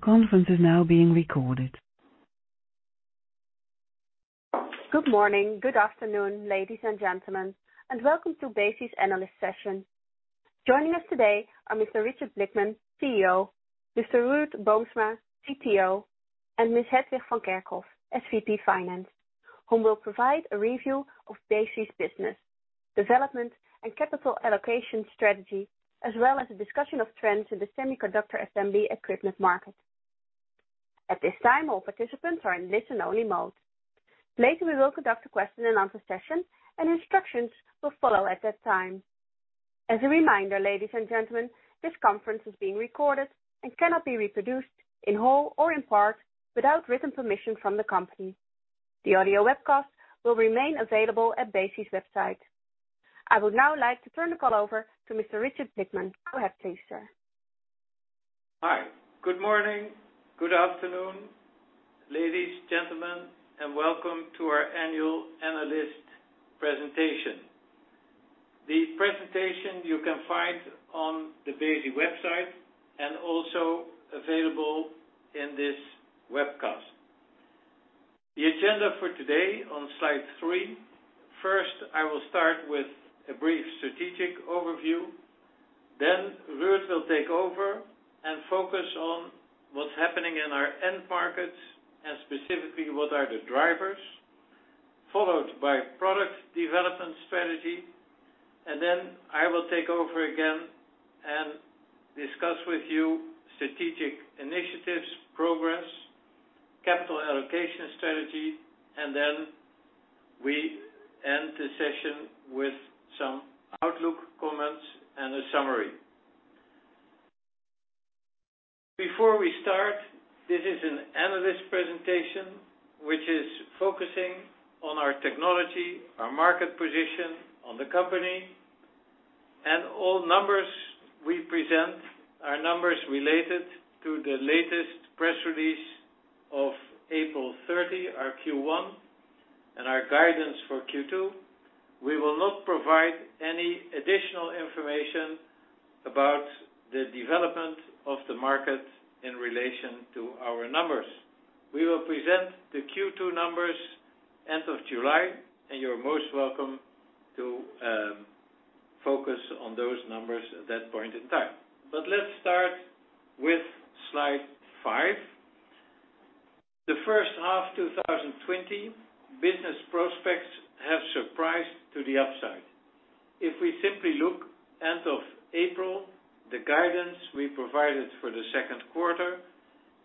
Good morning, good afternoon, ladies and gentlemen, and welcome to Besi's Analyst Session. Joining us today are Mr. Richard Blickman, CEO, Mr. Ruurd Boomsma, CTO, and Ms. Hetwig van Kerkhof, SVP Finance, whom will provide a review of Besi's business, development, and capital allocation strategy, as well as a discussion of trends in the semiconductor assembly equipment market. At this time, all participants are in listen-only mode. Later, we will conduct a question and answer session, and instructions will follow at that time. As a reminder, ladies and gentlemen, this conference is being recorded and cannot be reproduced in whole or in part without written permission from the company. The audio webcast will remain available at Besi's website. I would now like to turn the call over to Mr. Richard Blickman. Go ahead, please, sir. Hi. Good morning, good afternoon, ladies, gentlemen, and welcome to our Annual Analyst Presentation. The presentation you can find on the Besi website. Also available in this webcast. The agenda for today on slide three. I will start with a brief strategic overview. Ruurd will take over and focus on what's happening in our end markets and specifically, what are the drivers, followed by product development strategy. I will take over again and discuss with you strategic initiatives, progress, capital allocation strategy, and then we end the session with some outlook comments and a summary. Before we start, this is an analyst presentation which is focusing on our technology, our market position on the company, and all numbers we present are numbers related to the latest press release of April 30, our Q1, and our guidance for Q2. We will not provide any additional information about the development of the market in relation to our numbers. We will present the Q2 numbers end of July, and you're most welcome to focus on those numbers at that point in time. Let's start with slide five. The H1 2020, business prospects have surprised to the upside. If we simply look end of April, the guidance we provided for the second quarter,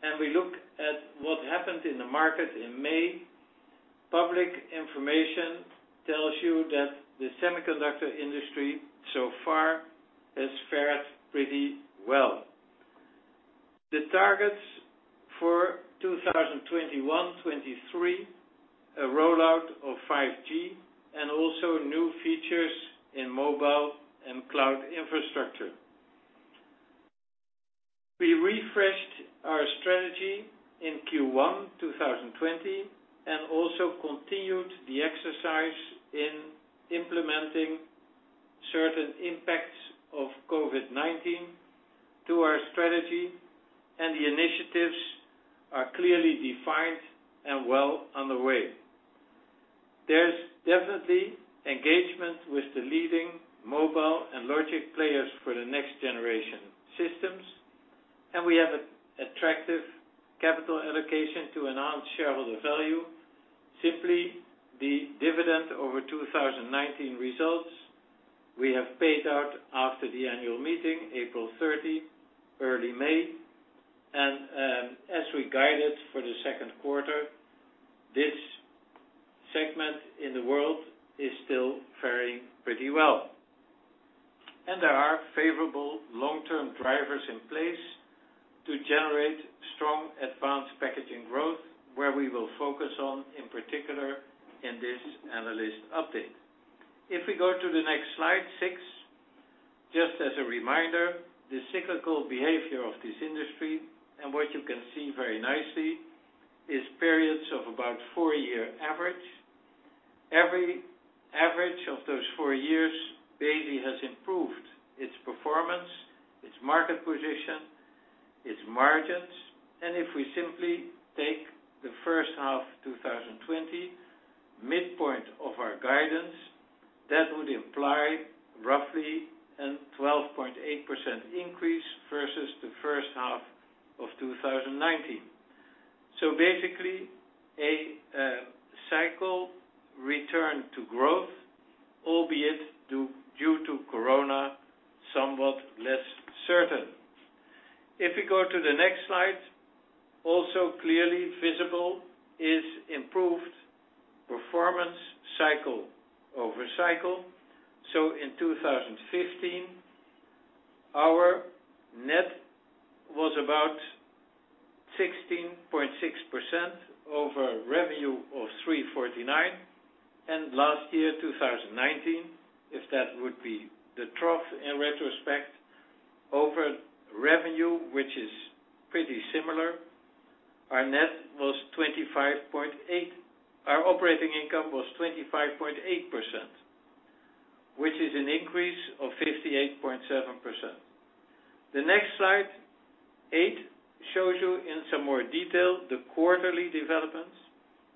and we look at what happened in the market in May, public information tells you that the semiconductor industry so far has fared pretty well. The targets for 2021, 2023, a rollout of 5G and also new features in mobile and cloud infrastructure. We refreshed our strategy in Q1 2020 and also continued the exercise in implementing certain impacts of COVID-19 to our strategy, and the initiatives are clearly defined and well on the way. There's definitely engagement with the leading mobile and logic players for the next-generation systems. We have attractive capital allocation to enhance shareholder value. Simply, the dividend over 2019 results we have paid out after the annual meeting, April 30, early May. As we guided for the second quarter, this segment in the world is still faring pretty well. There are favorable long-term drivers in place to generate strong advanced packaging growth, where we will focus on in particular in this analyst update. If we go to the next slide six, just as a reminder, the cyclical behavior of this industry and what you can see very nicely is periods of about four-year average. Every average of those four years, Besi has improved its performance, its market position, its margins. If we simply take the H1 2020 midpoint of our guidance, that would imply roughly a 12.8% increase versus the H1 of 2019. Basically, a cycle return to growth, albeit due to Corona, somewhat less certain. If we go to the next slide, also clearly visible is improved performance cycle over cycle. In 2015, our net was about 16.6% over revenue of 349. And last year, 2019, if that would be the trough in retrospect over revenue, which is pretty similar, our operating income was 25.8%, which is an increase of 58.7%. The next slide, eight, shows you in some more detail the quarterly developments,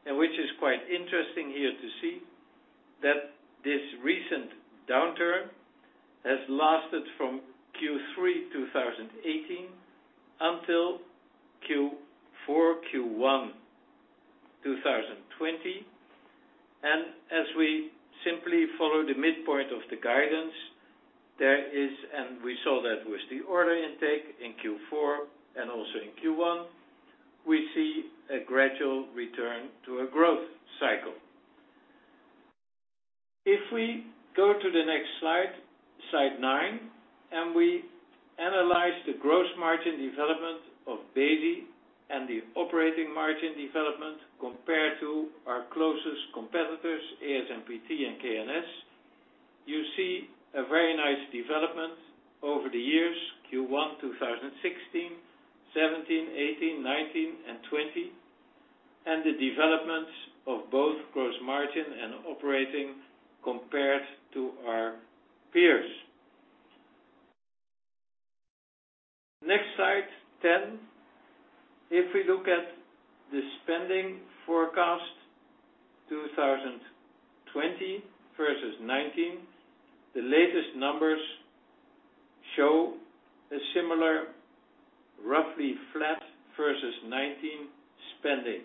which is quite interesting here to see, that this recent downturn has lasted from Q3 2018 until Q4, Q1 2020. As we simply follow the midpoint of the guidance, we saw that with the order intake in Q4 and also in Q1, we see a gradual return to a growth cycle. If we go to the next slide nine, and we analyze the gross margin development of Besi and the operating margin development compared to our closest competitors, ASMPT and K&S, you see a very nice development over the years, Q1 2016, 2017, 2018, 2019, and 2020, and the developments of both gross margin and operating compared to our peers. Next slide, 10. If we look at the spending forecast, 2020 versus 2019, the latest numbers show a similar, roughly flat versus 2019 spending.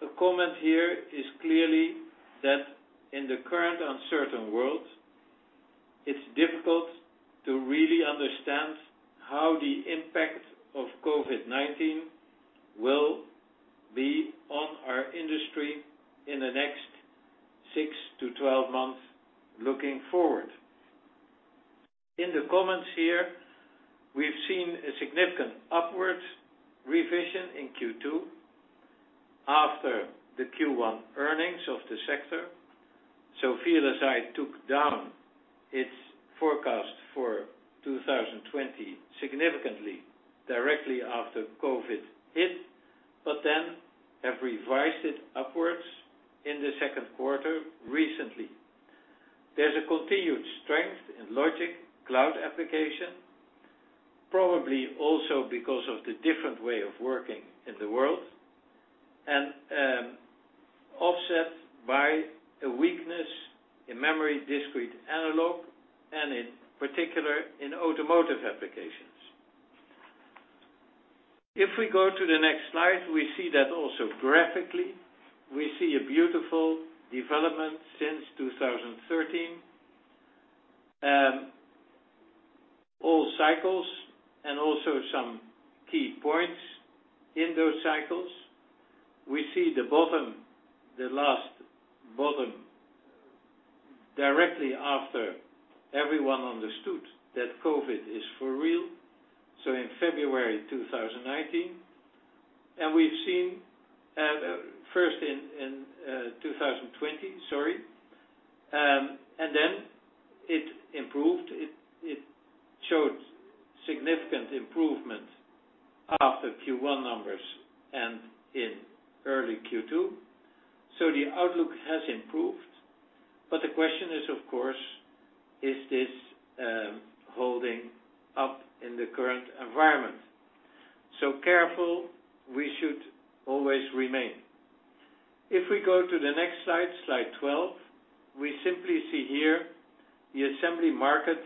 A comment here is clearly that in the current uncertain world, it's difficult to really understand how the impact of COVID-19 will be on our industry in the next 6 to 12 months looking forward. In the comments here, we've seen a significant upwards revision in Q2 after the Q1 earnings of the sector. VLSI Research took down its forecast for 2020 significantly directly after COVID hit, have revised it upwards in the second quarter recently. There's a continued strength in logic cloud application, probably also because of the different way of working in the world, offset by a weakness in memory discrete analog, and in particular in automotive applications. If we go to the next slide, we see that also graphically. We see a beautiful development since 2013, all cycles and also some key points in those cycles. We see the bottom, the last bottom, directly after everyone understood that COVID is for real, in February 2019. We've seen, first in 2020, sorry, then it improved. It showed significant improvement after Q1 numbers and in early Q2. The outlook has improved, but the question is, of course, is this holding up in the current environment? Careful we should always remain. If we go to the next slide 12, we simply see here the assembly market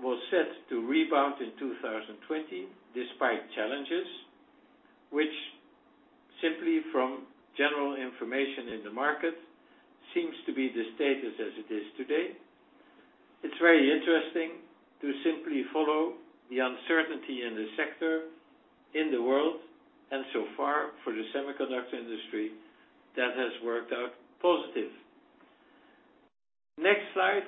was set to rebound in 2020 despite challenges, which simply from general information in the market, seems to be the status as it is today. It's very interesting to simply follow the uncertainty in the sector, in the world, and so far for the semiconductor industry, that has worked out positive. Next slide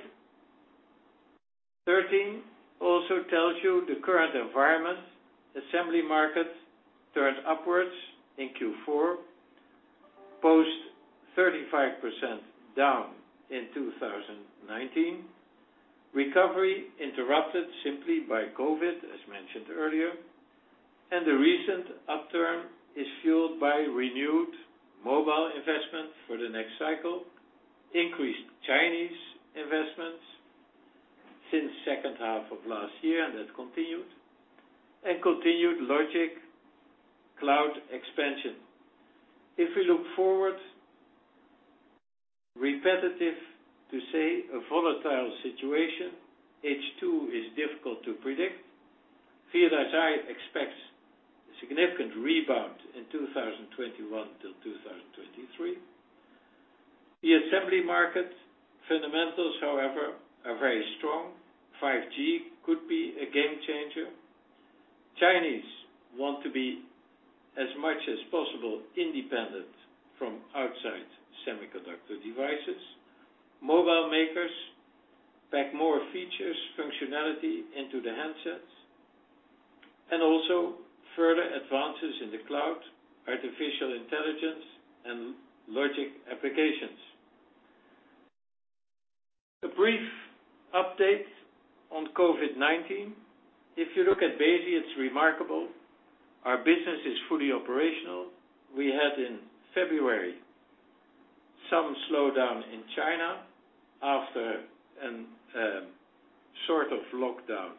13 also tells you the current environment, assembly markets turned upwards in Q4, post 35% down in 2019. Recovery interrupted simply by COVID-19, as mentioned earlier. The recent upturn is fueled by renewed mobile investment for the next cycle, increased Chinese investments since second half of last year, and that continued, and continued logic cloud expansion. If we look forward, repetitive to say, a volatile situation, H2 is difficult to predict. VLSI Research expects a significant rebound in 2021 till 2023. The assembly market fundamentals, however, are very strong. 5G could be a game changer. Chinese want to be as much as possible independent from outside semiconductor devices. Mobile makers pack more features, functionality into the handsets. Further advances in the cloud, artificial intelligence, and logic applications. A brief update on COVID-19. If you look at Besi, it's remarkable. Our business is fully operational. We had in February some slowdown in China after a sort of lockdown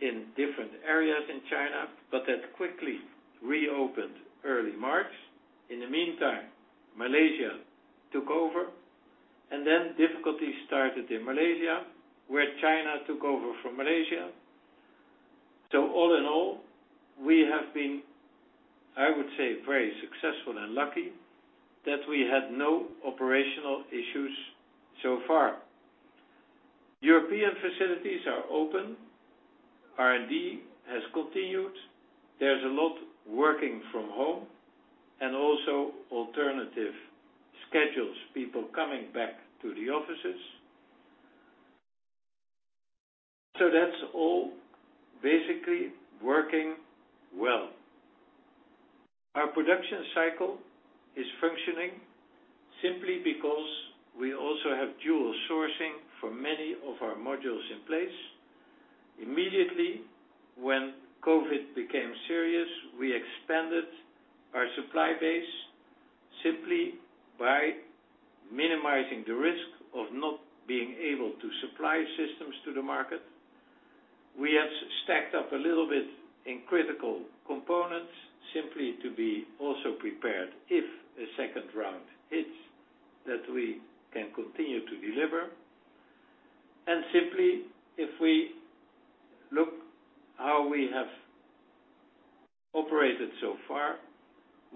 in different areas in China, that quickly reopened early March. In the meantime, Malaysia took over, difficulties started in Malaysia, where China took over from Malaysia. All in all, we have been, I would say, very successful and lucky that we had no operational issues so far. European facilities are open. R&D has continued. There's a lot working from home, also alternative schedules, people coming back to the offices. That's all basically working well. Our production cycle is functioning simply because we also have dual sourcing for many of our modules in place. Immediately when COVID became serious, we expanded our supply base simply by minimizing the risk of not being able to supply systems to the market. We have stacked up a little bit in critical components, simply to be also prepared, if a second round hits, that we can continue to deliver. Simply, if we look how we have operated so far,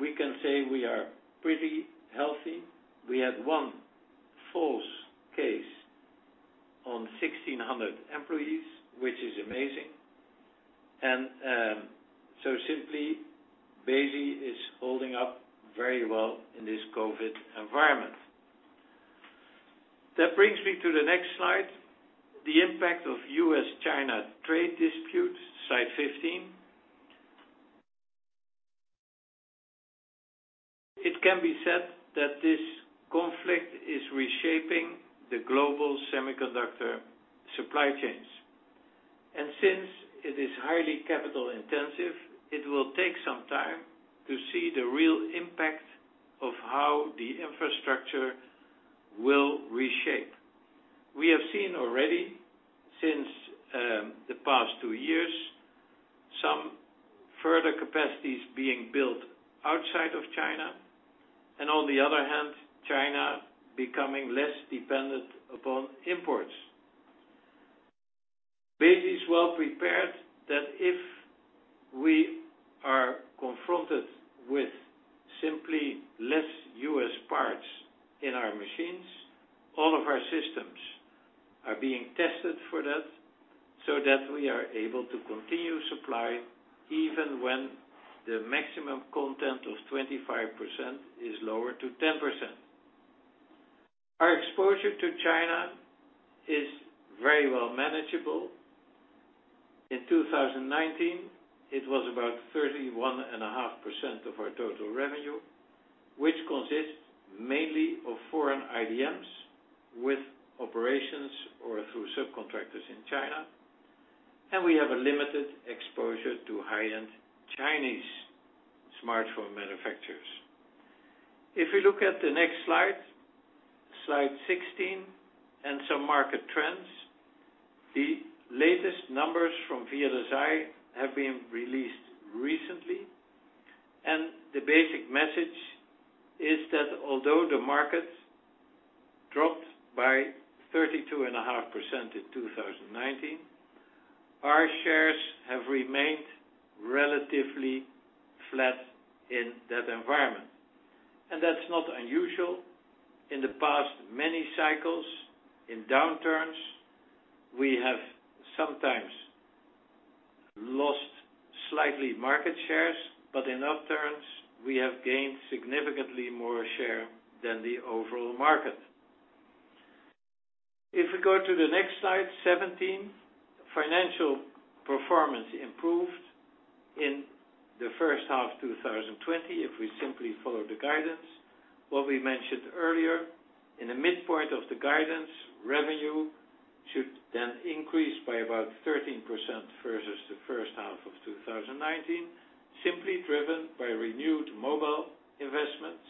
we can say we are pretty healthy. We had one false case on 1,600 employees, which is amazing, and so simply, Besi is holding up very well in this COVID-19 environment. That brings me to the next slide, the impact of U.S.-China trade disputes, slide 15. It can be said that this conflict is reshaping the global semiconductor supply chains. Since it is highly capital-intensive, it will take some time to see the real impact of how the infrastructure will reshape. We have seen already since the past two years, some further capacities being built outside of China, and on the other hand, China becoming less dependent upon imports. Besi is well-prepared that if we are confronted with simply less U.S. parts in our machines, all of our systems are being tested for that so that we are able to continue supply even when the maximum content of 25% is lowered to 10%. Our exposure to China is very well manageable. In 2019, it was about 31.5% of our total revenue, which consists mainly of foreign IDMs with operations or through subcontractors in China, and we have a limited exposure to high-end Chinese smartphone manufacturers. If we look at the next slide 16, and some market trends. The latest numbers from Viavi have been released recently, and the basic message is that although the market dropped by 32.5% in 2019, our shares have remained relatively flat in that environment. That's not unusual. In the past, many cycles, in downturns, we have sometimes lost slightly market shares, but in upturns, we have gained significantly more share than the overall market. If we go to the next slide 17, financial performance improved in the H1 of 2020, if we simply follow the guidance. What we mentioned earlier, in the midpoint of the guidance, revenue should then increase by about 13% versus the first half of 2019, simply driven by renewed mobile investments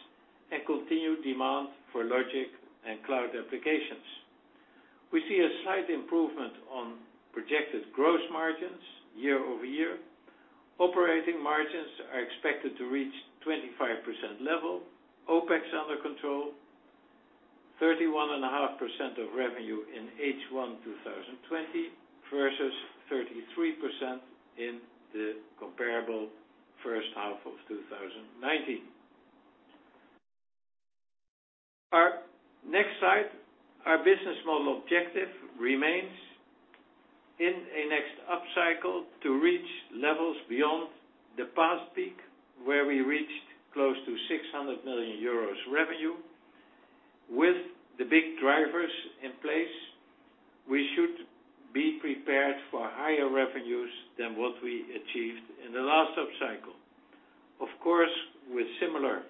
and continued demand for logic and cloud applications. We see a slight improvement on projected gross margins year-over-year. Operating margins are expected to reach 25% level. OpEx under control, 31.5% of revenue in H1 2020 versus 33% in the comparable H1 of 2019. Our next slide, our business model objective remains in a next upcycle to reach levels beyond the past peak, where we reached close to 600 million euros revenue. With the big drivers in place, we should be prepared for higher revenues than what we achieved in the last up cycle. Of course, with similar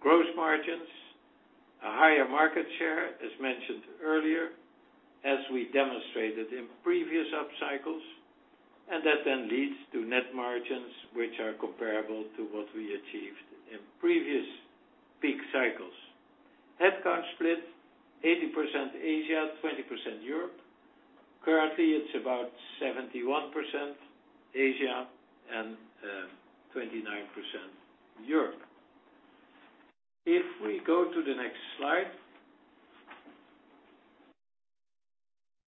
gross margins, a higher market share, as mentioned earlier, as we demonstrated in previous up cycles, and that then leads to net margins which are comparable to what we achieved in previous peak cycles. Headcount split, 80% Asia, 20% Europe. Currently, it's about 71% Asia and 29% Europe. If we go to the next slide.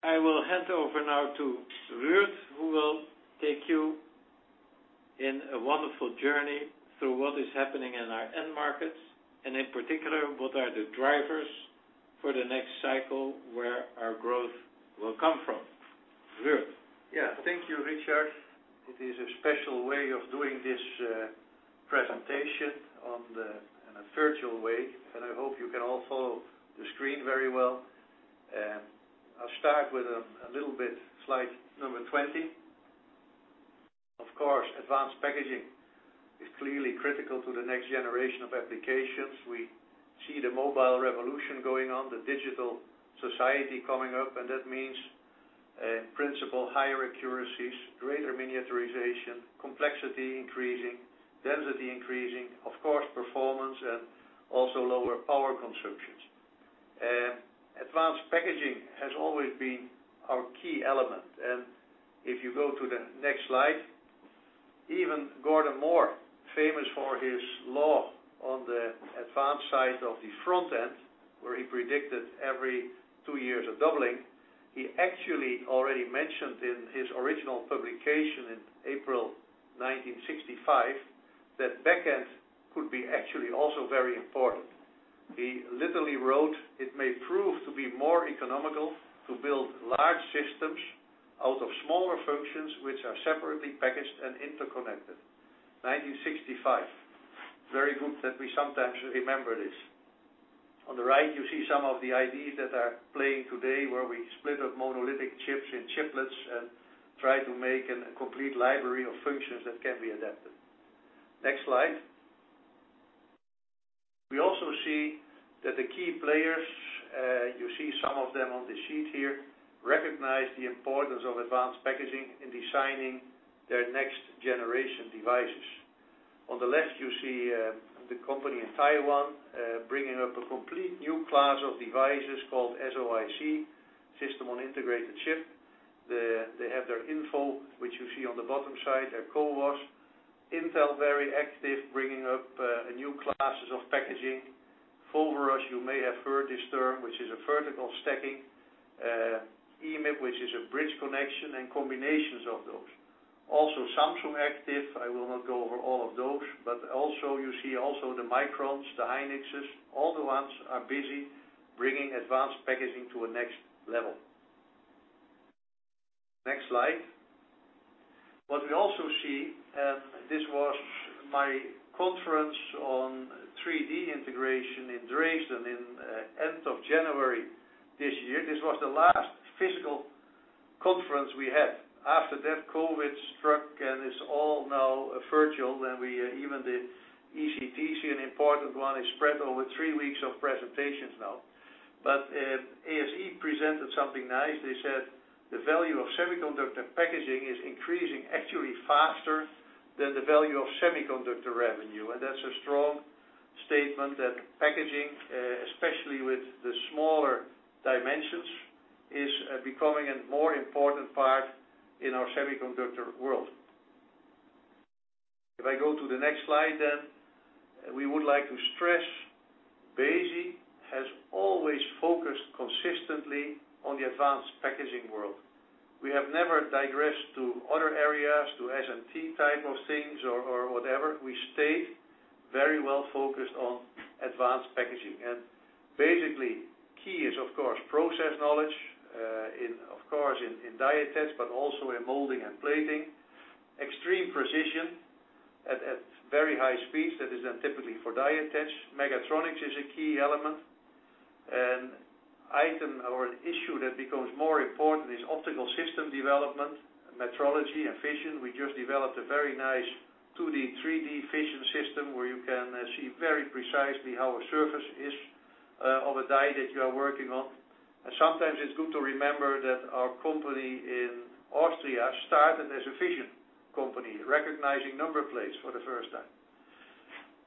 I will hand over now to Ruurd, who will take you in a wonderful journey through what is happening in our end markets, and in particular, what are the drivers for the next cycle where our growth will come from. Ruurd? Yeah. Thank you, Richard. It is a special way of doing this presentation, in a virtual way, and I hope you can all follow the screen very well. I'll start with a little bit, slide number 20. Of course, advanced packaging is clearly critical to the next generation of applications. We see the mobile revolution going on, the digital society coming up, and that means, in principle, higher accuracies, greater miniaturization, complexity increasing, density increasing, of course, performance, and also lower power consumptions. Advanced packaging has always been our key element. If you go to the next slide, even Gordon Moore, famous for his law on the advanced side of the front end, where he predicted every two years a doubling, he actually already mentioned in his original publication in April 1965, that back end could be actually also very important. He literally wrote, "It may prove to be more economical to build large systems out of smaller functions which are separately packaged and interconnected." 1965. Very good that we sometimes remember this. On the right, you see some of the ideas that are playing today, where we split up monolithic chips in chiplets and try to make a complete library of functions that can be adapted. Next slide. We also see that the key players, you see some of them on the sheet here, recognize the importance of advanced packaging in designing their next generation devices. On the left, you see the company in Taiwan, bringing up a complete new class of devices called SoIC, system on integrated chip. They have their InFO, which you see on the bottom side, their CoWoS. Intel, very active, bringing up new classes of packaging. Foveros, you may have heard this term, which is a vertical stacking. EMIB, which is a bridge connection, and combinations of those. Samsung active. I will not go over all of those, you see also the Microns, the Hynixes, all the ones are busy bringing advanced packaging to a next level. Next slide. What we also see, this was my conference on 3D integration in Dresden in end of January this year. This was the last physical conference we had. After that, COVID struck, it's all now virtual. Even the ECTC, an important one, is spread over three weeks of presentations now. ASE presented something nice. They said, "The value of semiconductor packaging is increasing actually faster than the value of semiconductor revenue." That's a strong statement that packaging, especially with the smaller dimensions, is becoming a more important part in our semiconductor world. If I go to the next slide, then. We would like to stress, Besi has always focused consistently on the advanced packaging world. We have never digressed to other areas, to SMT type of things or whatever. We stayed very well-focused on advanced packaging. Basically, key is, of course, process knowledge, of course, in die attach, but also in molding and plating. Extreme precision at very high speeds, that is then typically for die attach. Mechatronics is a key element. An item or an issue that becomes more important is optical system development, metrology and vision. We just developed a very nice 2D, 3D vision system where you can see very precisely how a surface is of a die that you are working on. Sometimes it's good to remember that our company in Austria started as a vision company, recognizing number plates for the first time.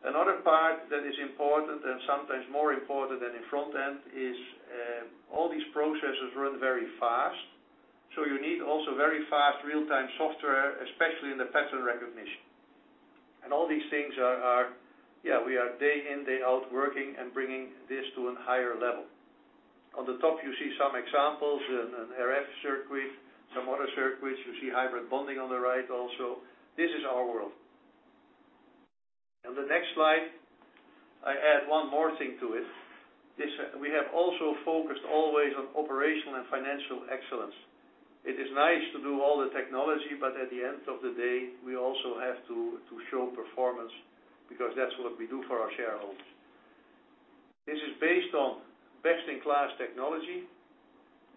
Another part that is important and sometimes more important than in front end is, all these processes run very fast, so you need also very fast real-time software, especially in the pattern recognition. All these things are, we are day in, day out working and bringing this to a higher level. On the top, you see some examples, an RF circuit, some other circuits. You see hybrid bonding on the right also. This is our world. On the next slide, I add one more thing to it. We have also focused always on operational and financial excellence. It is nice to do all the technology, but at the end of the day, we also have to show performance because that's what we do for our shareholders. This is based on best-in-class technology,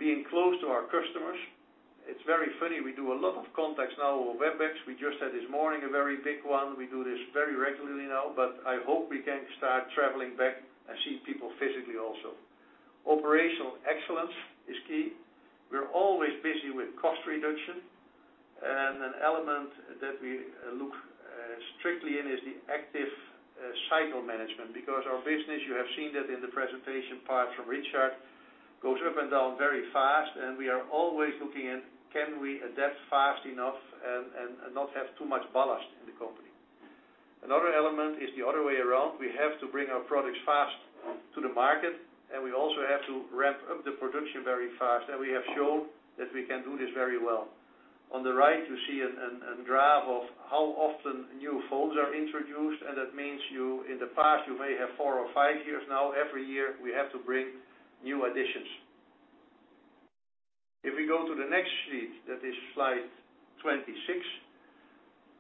being close to our customers. It's very funny, we do a lot of contacts now over WebEx. We just had this morning a very big one. We do this very regularly now, but I hope we can start traveling back and see people physically also. Operational excellence is key. We're always busy with cost reduction. An element that we look strictly in is the active cycle management. Our business, you have seen that in the presentation part from Richard, goes up and down very fast, and we are always looking at can we adapt fast enough and not have too much ballast in the company. Another element is the other way around. We have to bring our products fast to the market, and we also have to ramp up the production very fast. We have shown that we can do this very well. On the right, you see a graph of how often new phones are introduced. That means in the past you may have four or five years. Now, every year, we have to bring new additions. We go to the next sheet, that is slide 26,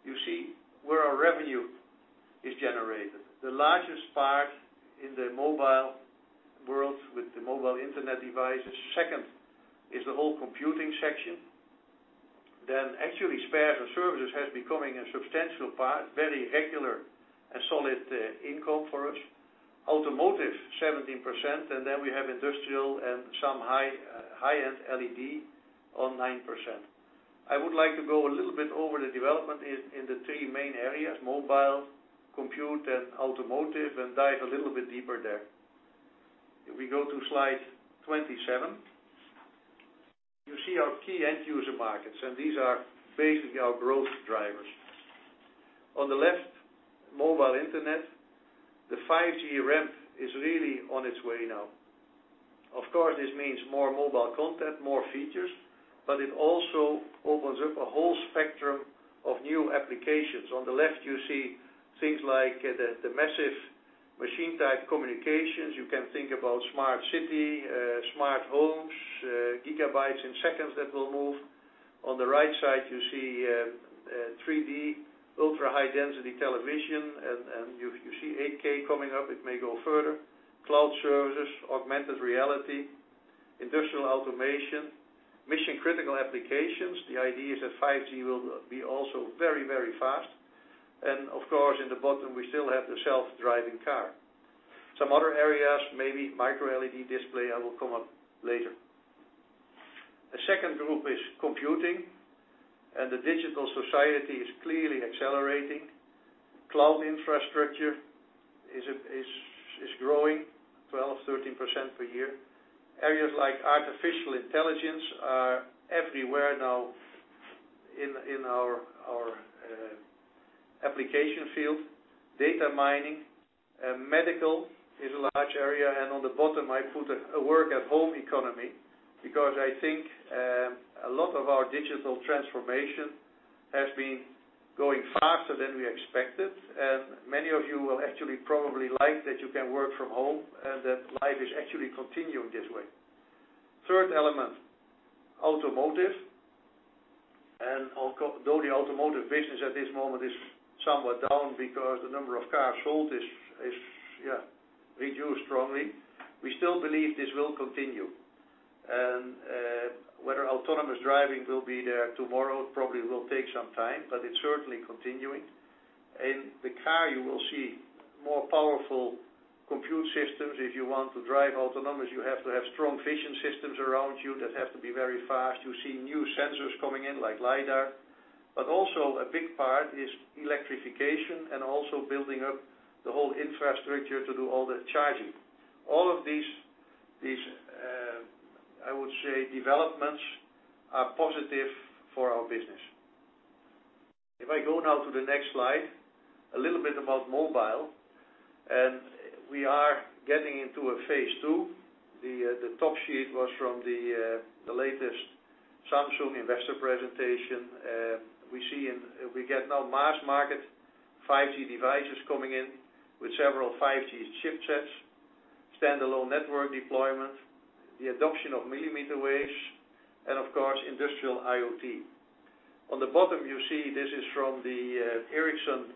you see where our revenue is generated. The largest part in the mobile world with the mobile internet devices. Second is the whole computing section. Actually spares and services has becoming a substantial part, very regular and solid income for us. Automotive, 17%. We have industrial and some high-end LED on 9%. I would like to go a little bit over the development in the three main areas, mobile, compute, and automotive. Dive a little bit deeper there. We go to slide 27, you see our key end user markets. These are basically our growth drivers. On the left, mobile internet. The 5G ramp is really on its way now. Of course, this means more mobile content, more features, but it also opens up a whole spectrum of new applications. On the left, you see things like the massive machine type communications. You can think about smart city, smart homes, gigabytes in seconds that will move. On the right side, you see 3D, ultra-high-density television, and you see 8K coming up. It may go further. Cloud services, augmented reality, industrial automation, mission-critical applications. The idea is that 5G will be also very fast. Of course, in the bottom, we still have the self-driving car. Some other areas, maybe Micro LED display. I will come up later. The second group is computing, and the digital society is clearly accelerating. Cloud infrastructure is growing 12%-13% per year. Areas like artificial intelligence are everywhere now in our application field. Data mining. Medical is a large area, On the bottom, I put a work-at-home economy because I think a lot of our digital transformation has been going faster than we expected, and many of you will actually probably like that you can work from home and that life is actually continuing this way. Third element, automotive. Though the automotive business at this moment is somewhat down because the number of cars sold is reduced strongly, we still believe this will continue. Whether autonomous driving will be there tomorrow, it probably will take some time, but it's certainly continuing. In the car, you will see more powerful compute systems. If you want to drive autonomous, you have to have strong vision systems around you that have to be very fast. You see new sensors coming in like LiDAR, also a big part is electrification and also building up the whole infrastructure to do all the charging. All of these, I would say, developments are positive for our business. If I go now to the next slide, a little bit about mobile. We are getting into a phase II. The top sheet was from the latest Samsung investor presentation. We get now mass market 5G devices coming in with several 5G chipsets, standalone network deployment, the adoption of millimeter waves, and of course, industrial IoT. On the bottom, you see this is from the Ericsson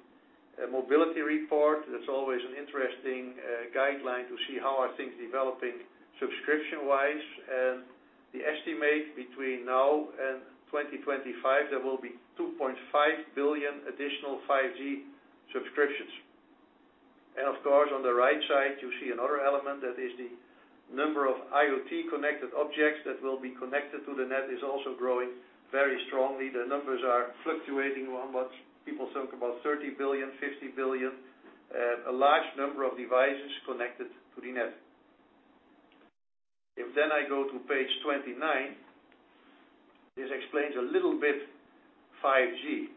Mobility Report. That's always an interesting guideline to see how are things developing subscription-wise. The estimate between now and 2025, there will be 2.5 billion additional 5G subscriptions. Of course, on the right side, you see another element that is the number of IoT connected objects that will be connected to the net is also growing very strongly. The numbers are fluctuating. People talk about 30 billion, 50 billion. A large number of devices connected to the net. If then I go to page 29, this explains a little bit 5G.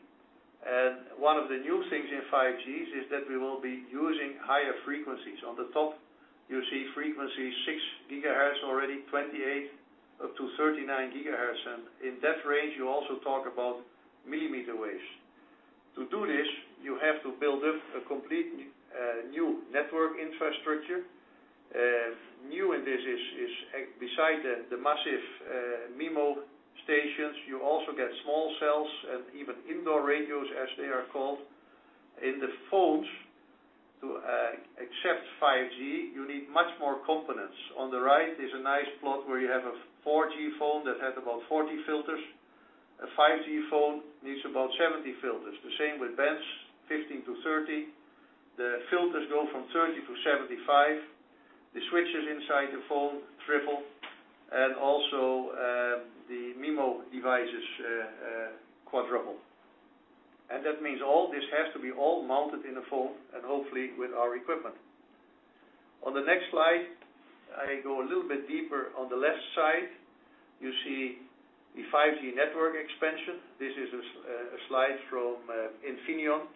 One of the new things in 5G is that we will be using higher frequencies. On the top, you see frequency 6 gigahertz already, 28 up to 39 gigahertz. In that range, you also talk about millimeter waves. To do this, you have to build up a complete new network infrastructure. New in this is, besides the massive MIMO stations, you also get small cells and even indoor radios, as they are called. In the phones, to accept 5G, you need many more components. On the right is a nice plot where you have a 4G phone that had about 40 filters. A 5G phone needs about 70 filters. The same with bands, 15-30. The filters go from 30-75. The switches inside the phone triple, and also, the MIMO devices quadruple. That means all this has to be all mounted in a phone, and hopefully with our equipment. On the next slide, I go a little bit deeper. On the left side, you see the 5G network expansion. This is a slide from Infineon.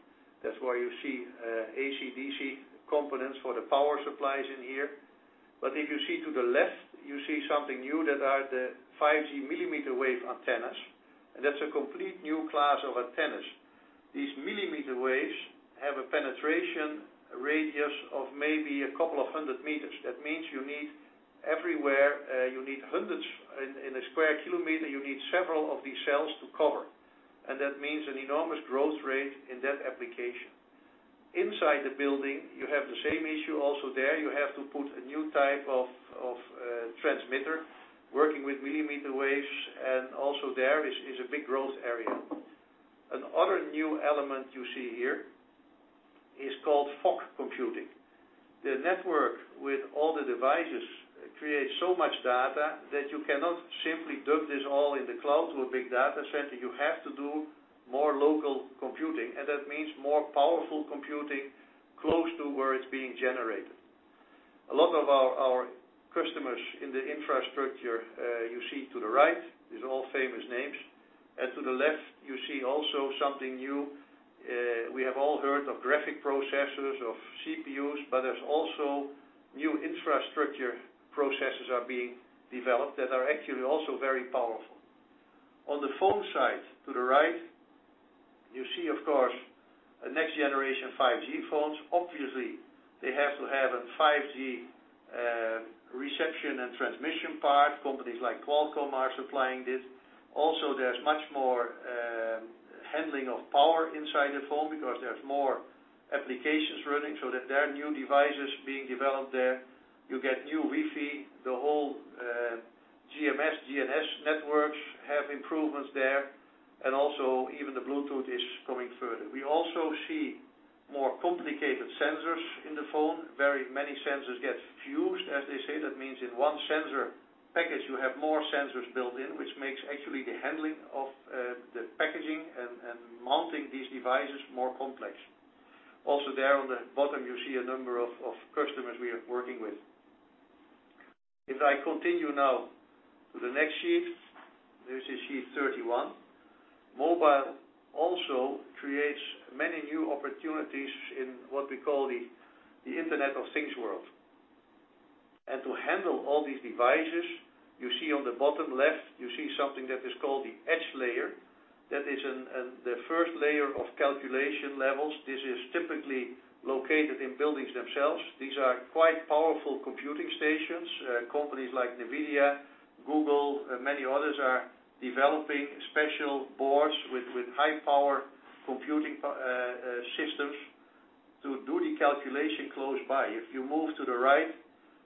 That's why you see AC/DC components for the power supplies in here. If you see to the left, you see something new that are the 5G millimeter wave antennas, and that's a complete new class of antennas. These millimeter waves have a penetration radius of maybe a couple of hundred meters. That means in a square kilometer, you need several of these cells to cover. That means an enormous growth rate in that application. Inside the building, you have the same issue also there. You have to put a new type of transmitter working with millimeter waves, and also there is a big growth area. Another new element you see here is called fog computing. The network with all the devices creates so much data that you cannot simply dump this all in the cloud to a big data center. You have to do more local computing, and that means more powerful computing close to where it's being generated. A lot of our customers in the infrastructure, you see to the right, these are all famous names. To the left, you see also something new. We have all heard of graphic processors, of CPUs, but there's also new infrastructure processors are being developed that are actually also very powerful. On the phone side, to the right, you see, of course, next generation 5G phones. Obviously, they have to have a 5G reception and transmission part. Companies like Qualcomm are supplying this. There's much more handling of power inside the phone because there's more applications running, so that there are new devices being developed there. You get new Wi-Fi. The whole GMS, GNSS networks have improvements there. Even the Bluetooth is coming further. We also see more complicated sensors in the phone. Very many sensors get fused, as they say. That means in one sensor package, you have more sensors built in, which makes actually the handling of the packaging and mounting these devices more complex. There on the bottom, you see a number of customers we are working with. If I continue now to the next sheet, this is sheet 31. Mobile also creates many new opportunities in what we call the Internet of Things world. To handle all these devices, you see on the bottom left, you see something that is called the edge layer. That is the first layer of calculation levels. This is typically located in buildings themselves. These are quite powerful computing stations. Companies like NVIDIA, Google, many others are developing special boards with high-power computing systems to do the calculation close by. If you move to the right,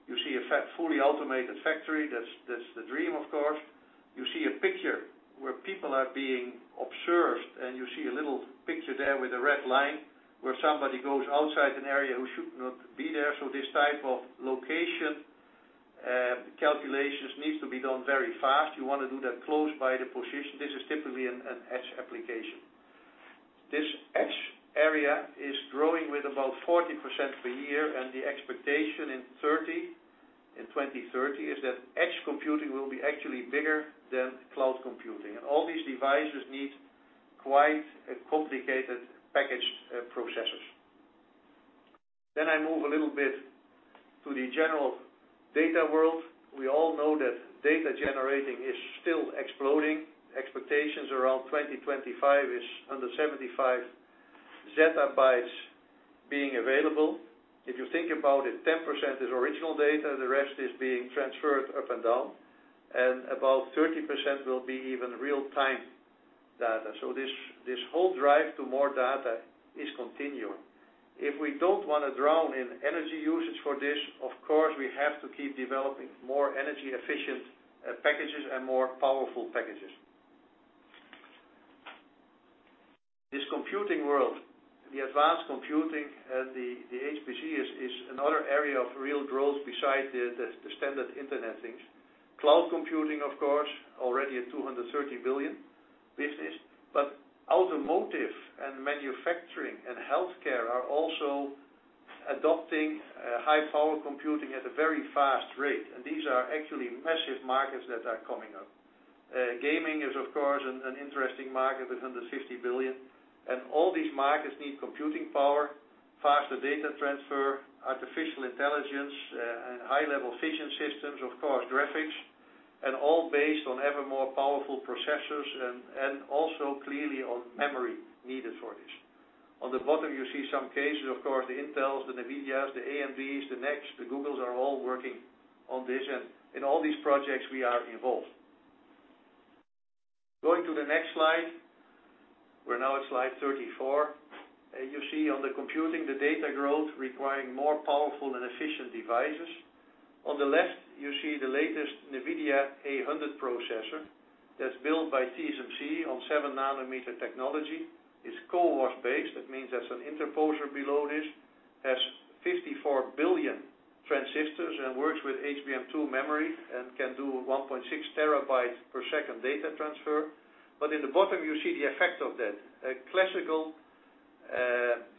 you see a fully automated factory. That's the dream, of course. You see a picture where people are being observed, and you see a little picture there with a red line where somebody goes outside an area who should not be there. This type of location calculations needs to be done very fast. You want to do that close by the position. This is typically an edge application. This edge area is growing with about 40% per year, and the expectation in 2030 is that edge computing will be actually bigger than cloud computing. All these devices need quite complicated package processes. I move a little bit to the general data world. We all know that data generating is still exploding. Expectations around 2025 is under 75 zettabytes being available. If you think about it, 10% is original data, the rest is being transferred up and down, and about 30% will be even real-time data. This whole drive to more data is continuing. If we don't want to drown in energy usage for this, of course, we have to keep developing more energy-efficient packages and more powerful packages. This computing world, the advanced computing, the HPC is another area of real growth besides the standard Internet of Things. Cloud computing, of course, already a 230 billion business. Automotive and manufacturing and healthcare are also adopting high-power computing at a very fast rate. These are actually massive markets that are coming up. Gaming is, of course, an interesting market with under 60 billion. All these markets need computing power, faster data transfer, artificial intelligence, and high-level vision systems, of course, graphics. All based on ever more powerful processors and also clearly on memory needed for this. On the bottom, you see some cases, of course, the Intels, the NVIDIAs, the AMDs, the NXPs, the Googles are all working on this. In all these projects, we are involved. Going to the next slide. We're now at slide 34. You see on the computing, the data growth requiring more powerful and efficient devices. On the left, you see the latest NVIDIA A100 processor that's built by TSMC on seven nanometer technology. It's CoWoS-based. That means there's an interposer below this. Has 54 billion transistors and works with HBM2 memory and can do 1.6 terabytes per second data transfer. In the bottom, you see the effect of that. A classical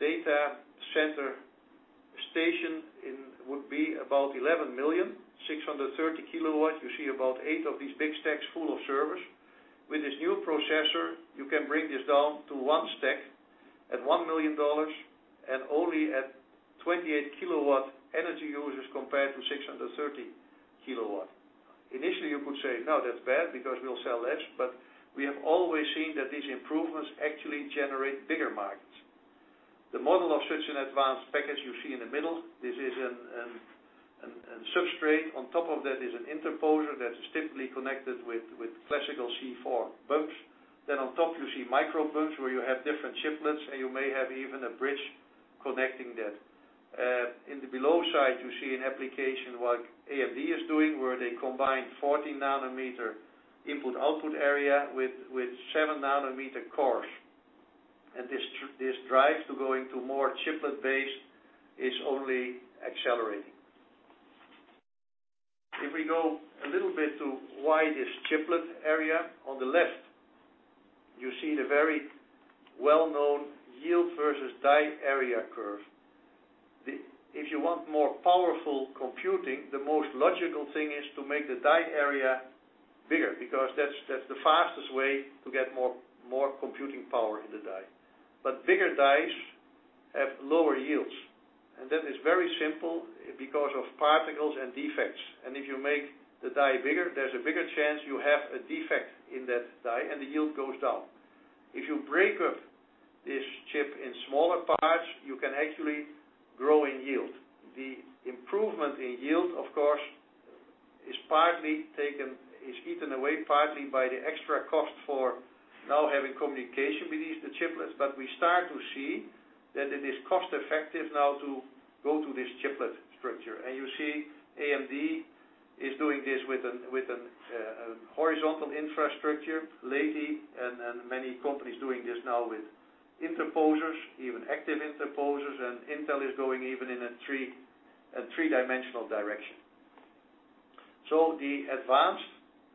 data center station would be about 11 million, 630 kilowatts. You see about eight of these big stacks full of servers. With this new processor, you can bring this down to one stack at EUR 1 million and only at 28 kilowatts energy usage compared to 630 kilowatts. Initially, you could say, "No, that's bad because we'll sell less." We have always seen that these improvements actually generate bigger markets. The model of such an advanced package you see in the middle. This is a substrate. On top of that is an interposer that is typically connected with classical C4 bumps. On top, you see microbumps where you have different chiplets, and you may have even a bridge connecting that. In the below side, you see an application like AMD is doing, where they combine 40 nanometer input/output area with seven nanometer cores. This drive to going to more chiplet-based is only accelerating. If we go a little bit to why this chiplet area. On the left, you see the very well-known yield versus die area curve. If you want more powerful computing, the most logical thing is to make the die area bigger, because that's the fastest way to get more computing power in the die. Bigger dies have lower yields. That is very simple because of particles and defects. If you make the die bigger, there's a bigger chance you have a defect in that die, and the yield goes down. If you break up this chip in smaller parts, you can actually grow in yield. The improvement in yield, of course, is eaten away partly by the extra cost for now having communication with each of the chiplets. We start to see that it is cost-effective now to go to this chiplet structure. You see AMD is doing this with an horizontal infrastructure lately, and many companies doing this now with interposers, even active interposers, and Intel is going even in a three-dimensional direction. The advanced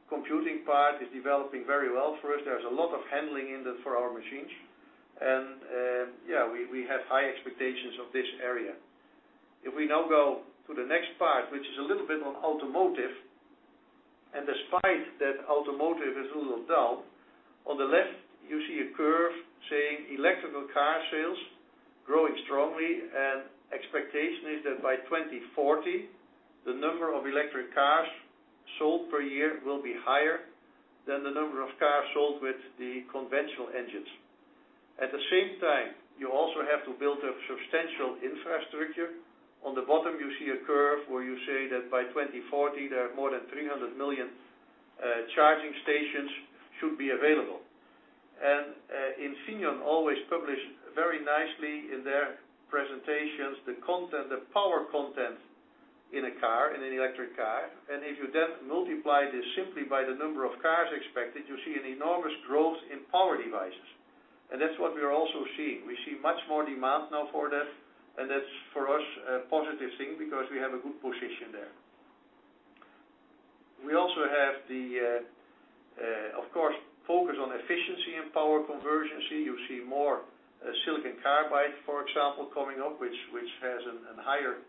computing part is developing very well for us. There's a lot of handling in there for our machines. We have high expectations of this area. If we now go to the next part, which is a little bit on automotive. Despite that automotive is a little down, on the left, you see a curve saying electrical car sales growing strongly. Expectation is that by 2040, the number of electrical cars sold per year will be higher than the number of cars sold with the conventional engines. At the same time, you also have to build a substantial infrastructure. On the bottom, you see a curve where you say that by 2040, there are more than 300 million charging stations should be available. Infineon always publish very nicely in their presentations, the power content in an electric car. If you then multiply this simply by the number of cars expected, you see an enormous growth in power devices. That's what we are also seeing. We see much more demand now for that, and that's, for us, a positive thing because we have a good position there. We also have the, of course, focus on efficiency and power conversion. You see more silicon carbide, for example, coming up, which has an higher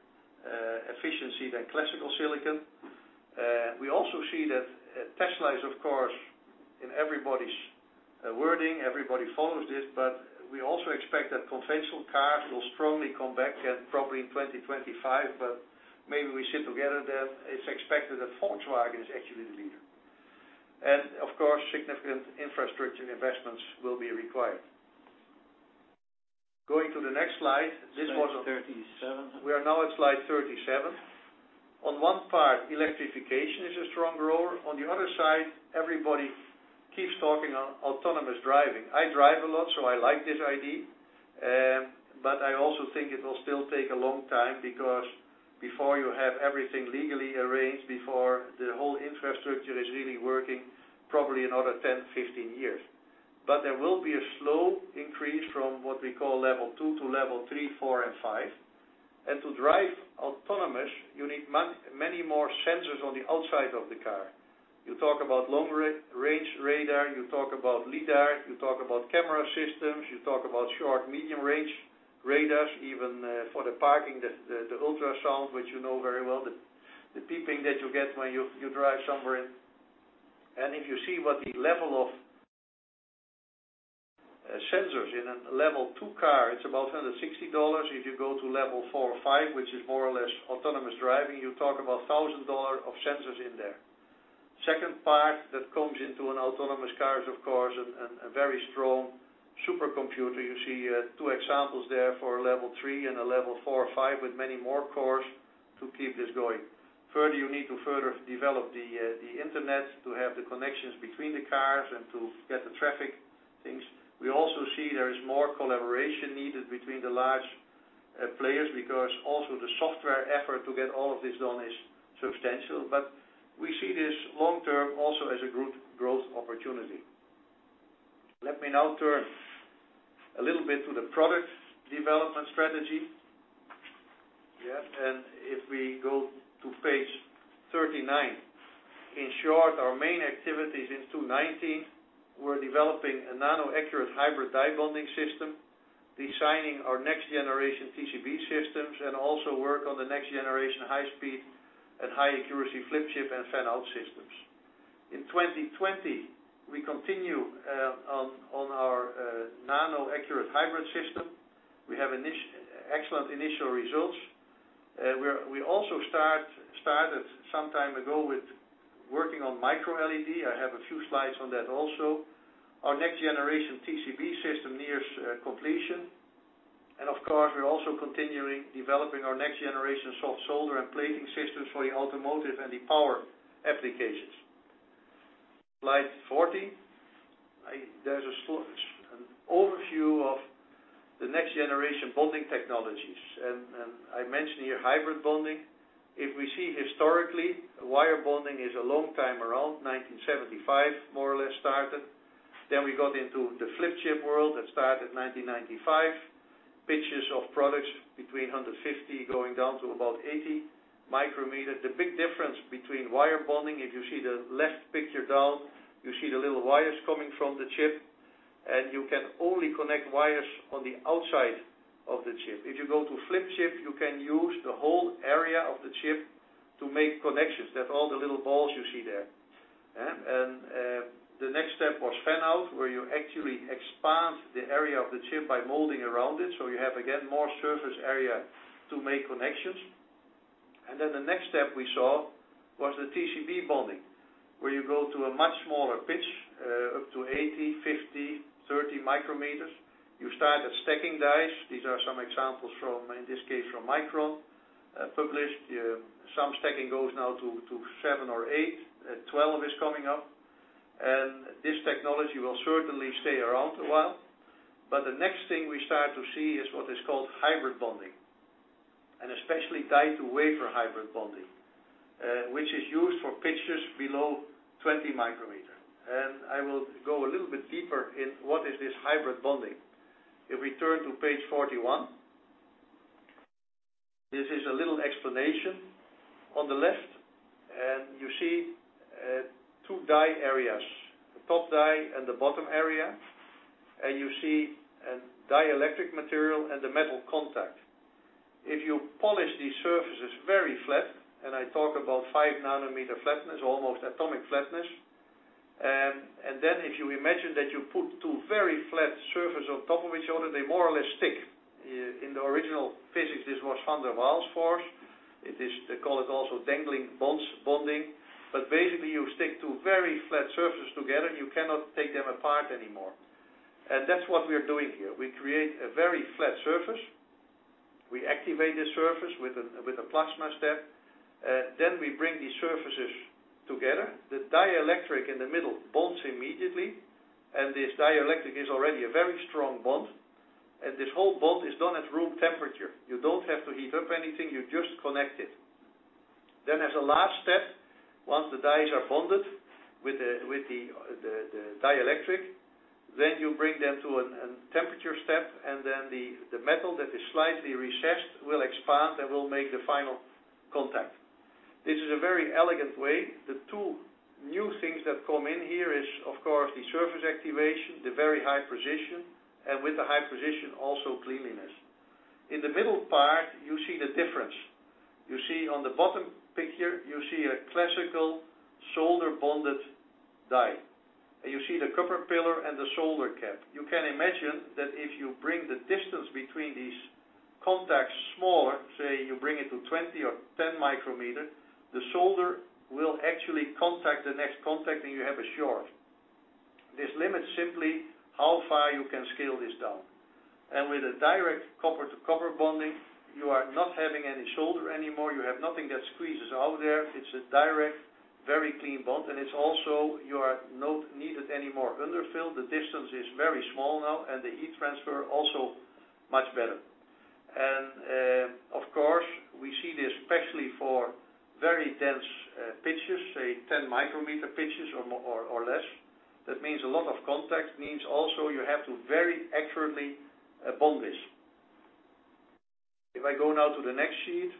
efficiency than classical silicon. We also see that Tesla is, of course, in everybody's wording. Everybody follows this. We also expect that conventional cars will strongly come back probably in 2025. Maybe we sit together then. It is expected that Volkswagen is actually the leader. Of course, significant infrastructure investments will be required. Going to the next slide. Slide 37. We are now at slide 37. On one part, electrification is a strong grower. On the other side, everybody keeps talking on autonomous driving. I drive a lot, so I like this idea. I also think it will still take a long time because before you have everything legally arranged, before the whole infrastructure is really working, probably another 10, 15 years. There will be a slow increase from what we call level two to level three, four, and five. To drive autonomous, you need many more sensors on the outside of the car. You talk about long-range radar, you talk about LiDAR, you talk about camera systems, you talk about short, medium-range radars, even for the parking, the ultrasound, which you know very well, the beeping that you get when you drive somewhere. If you see what the level of sensors in a level two car, it's about EUR 160. If you go to level four or five, which is more or less autonomous driving, you talk about EUR 1,000 of sensors in there. Second part that comes into an autonomous car is, of course, a very strong supercomputer. You see two examples there for a level three and a level four or five with many more cores to keep this going. Further, you need to further develop the internet to have the connections between the cars and to get the traffic things. We also see there is more collaboration needed between the large players, because also the software effort to get all of this done is substantial. We see this long term also as a good growth opportunity. Let me now turn a little bit to the product development strategy. If we go to page 39. In short, our main activities in 2019, we're developing a nano-accurate hybrid die bonding system, designing our next generation TCB systems, and also work on the next generation high-speed and high-accuracy fan-out and flip-chip systems. In 2020, we continue on our nano-accurate hybrid system. We have excellent initial results. We also started some time ago with working on Micro LED. I have a few slides on that also. Our next generation TCB system nears completion. Of course, we're also continuing developing our next generation soft solder and plating systems for the automotive and the power applications. Slide 40. There's an overview of the next generation bonding technologies. I mentioned here hybrid bonding. If we see historically, wire bonding is a long time around, 1975, more or less, started. We got into the flip chip world that started 1995. Pitches of products between 150 going down to about 80 micrometers. The big difference between wire bonding, if you see the left picture down, you see the little wires coming from the chip, and you can only connect wires on the outside of the chip. If you go to flip chip, you can use the whole area of the chip to make connections. That's all the little balls you see there. The next step was fan-out, where you actually expand the area of the chip by molding around it, so you have, again, more surface area to make connections. The next step we saw was the TCB bonding, where you go to a much smaller pitch, up to 80, 50, 30 micrometers. You start at stacking dies. These are some examples, in this case, from Micron, published. Some stacking goes now to seven or eight. 12 is coming up. This technology will certainly stay around a while. The next thing we start to see is what is called hybrid bonding, and especially die-to-wafer hybrid bonding, which is used for pitches below 20 micrometers. I will go a little bit deeper in what is this hybrid bonding. If we turn to page 41. This is a little explanation. On the left, you see two die areas, the top die and the bottom area, and you see a dielectric material and the metal contact. If you polish these surfaces very flat, and I talk about five nanometer flatness, almost atomic flatness, then if you imagine that you put two very flat surface on top of each other, they more or less stick. In the original physics, this was van der Waals force. They call it also dangling bonds bonding. Basically, you stick two very flat surfaces together, and you cannot take them apart anymore. That's what we are doing here. We create a very flat surface. We activate the surface with a plasma step. We bring these surfaces together. The dielectric in the middle bonds immediately, and this dielectric is already a very strong bond. This whole bond is done at room temperature. You don't have to heat up anything. You just connect it. As a last step, once the dies are bonded with the dielectric, then you bring them to a temperature step, and then the metal that is slightly recessed will expand and will make the final contact. This is a very elegant way. The two new things that come in here is, of course, the surface activation, the very high precision, and with the high precision, also cleanliness. In the middle part, you see the difference. You see on the bottom picture, you see a classical solder bonded die. You see the copper pillar and the solder cap. You can imagine that if you bring the distance between these contacts smaller, say you bring it to 20 or 10 micrometers, the solder will actually contact the next contact, and you have a short. This limits simply how far you can scale this down. With a direct copper-to-copper bonding, you are not having any solder anymore. You have nothing that squeezes out there. It's a direct, very clean bond, and it's also, you are not needed anymore underfill. The distance is very small now, and the heat transfer also much better. Of course, we see this especially for very dense pitches, say 10 micrometers pitches or less. That means a lot of contact, means also you have to very accurately bond this. If I go now to the next sheet.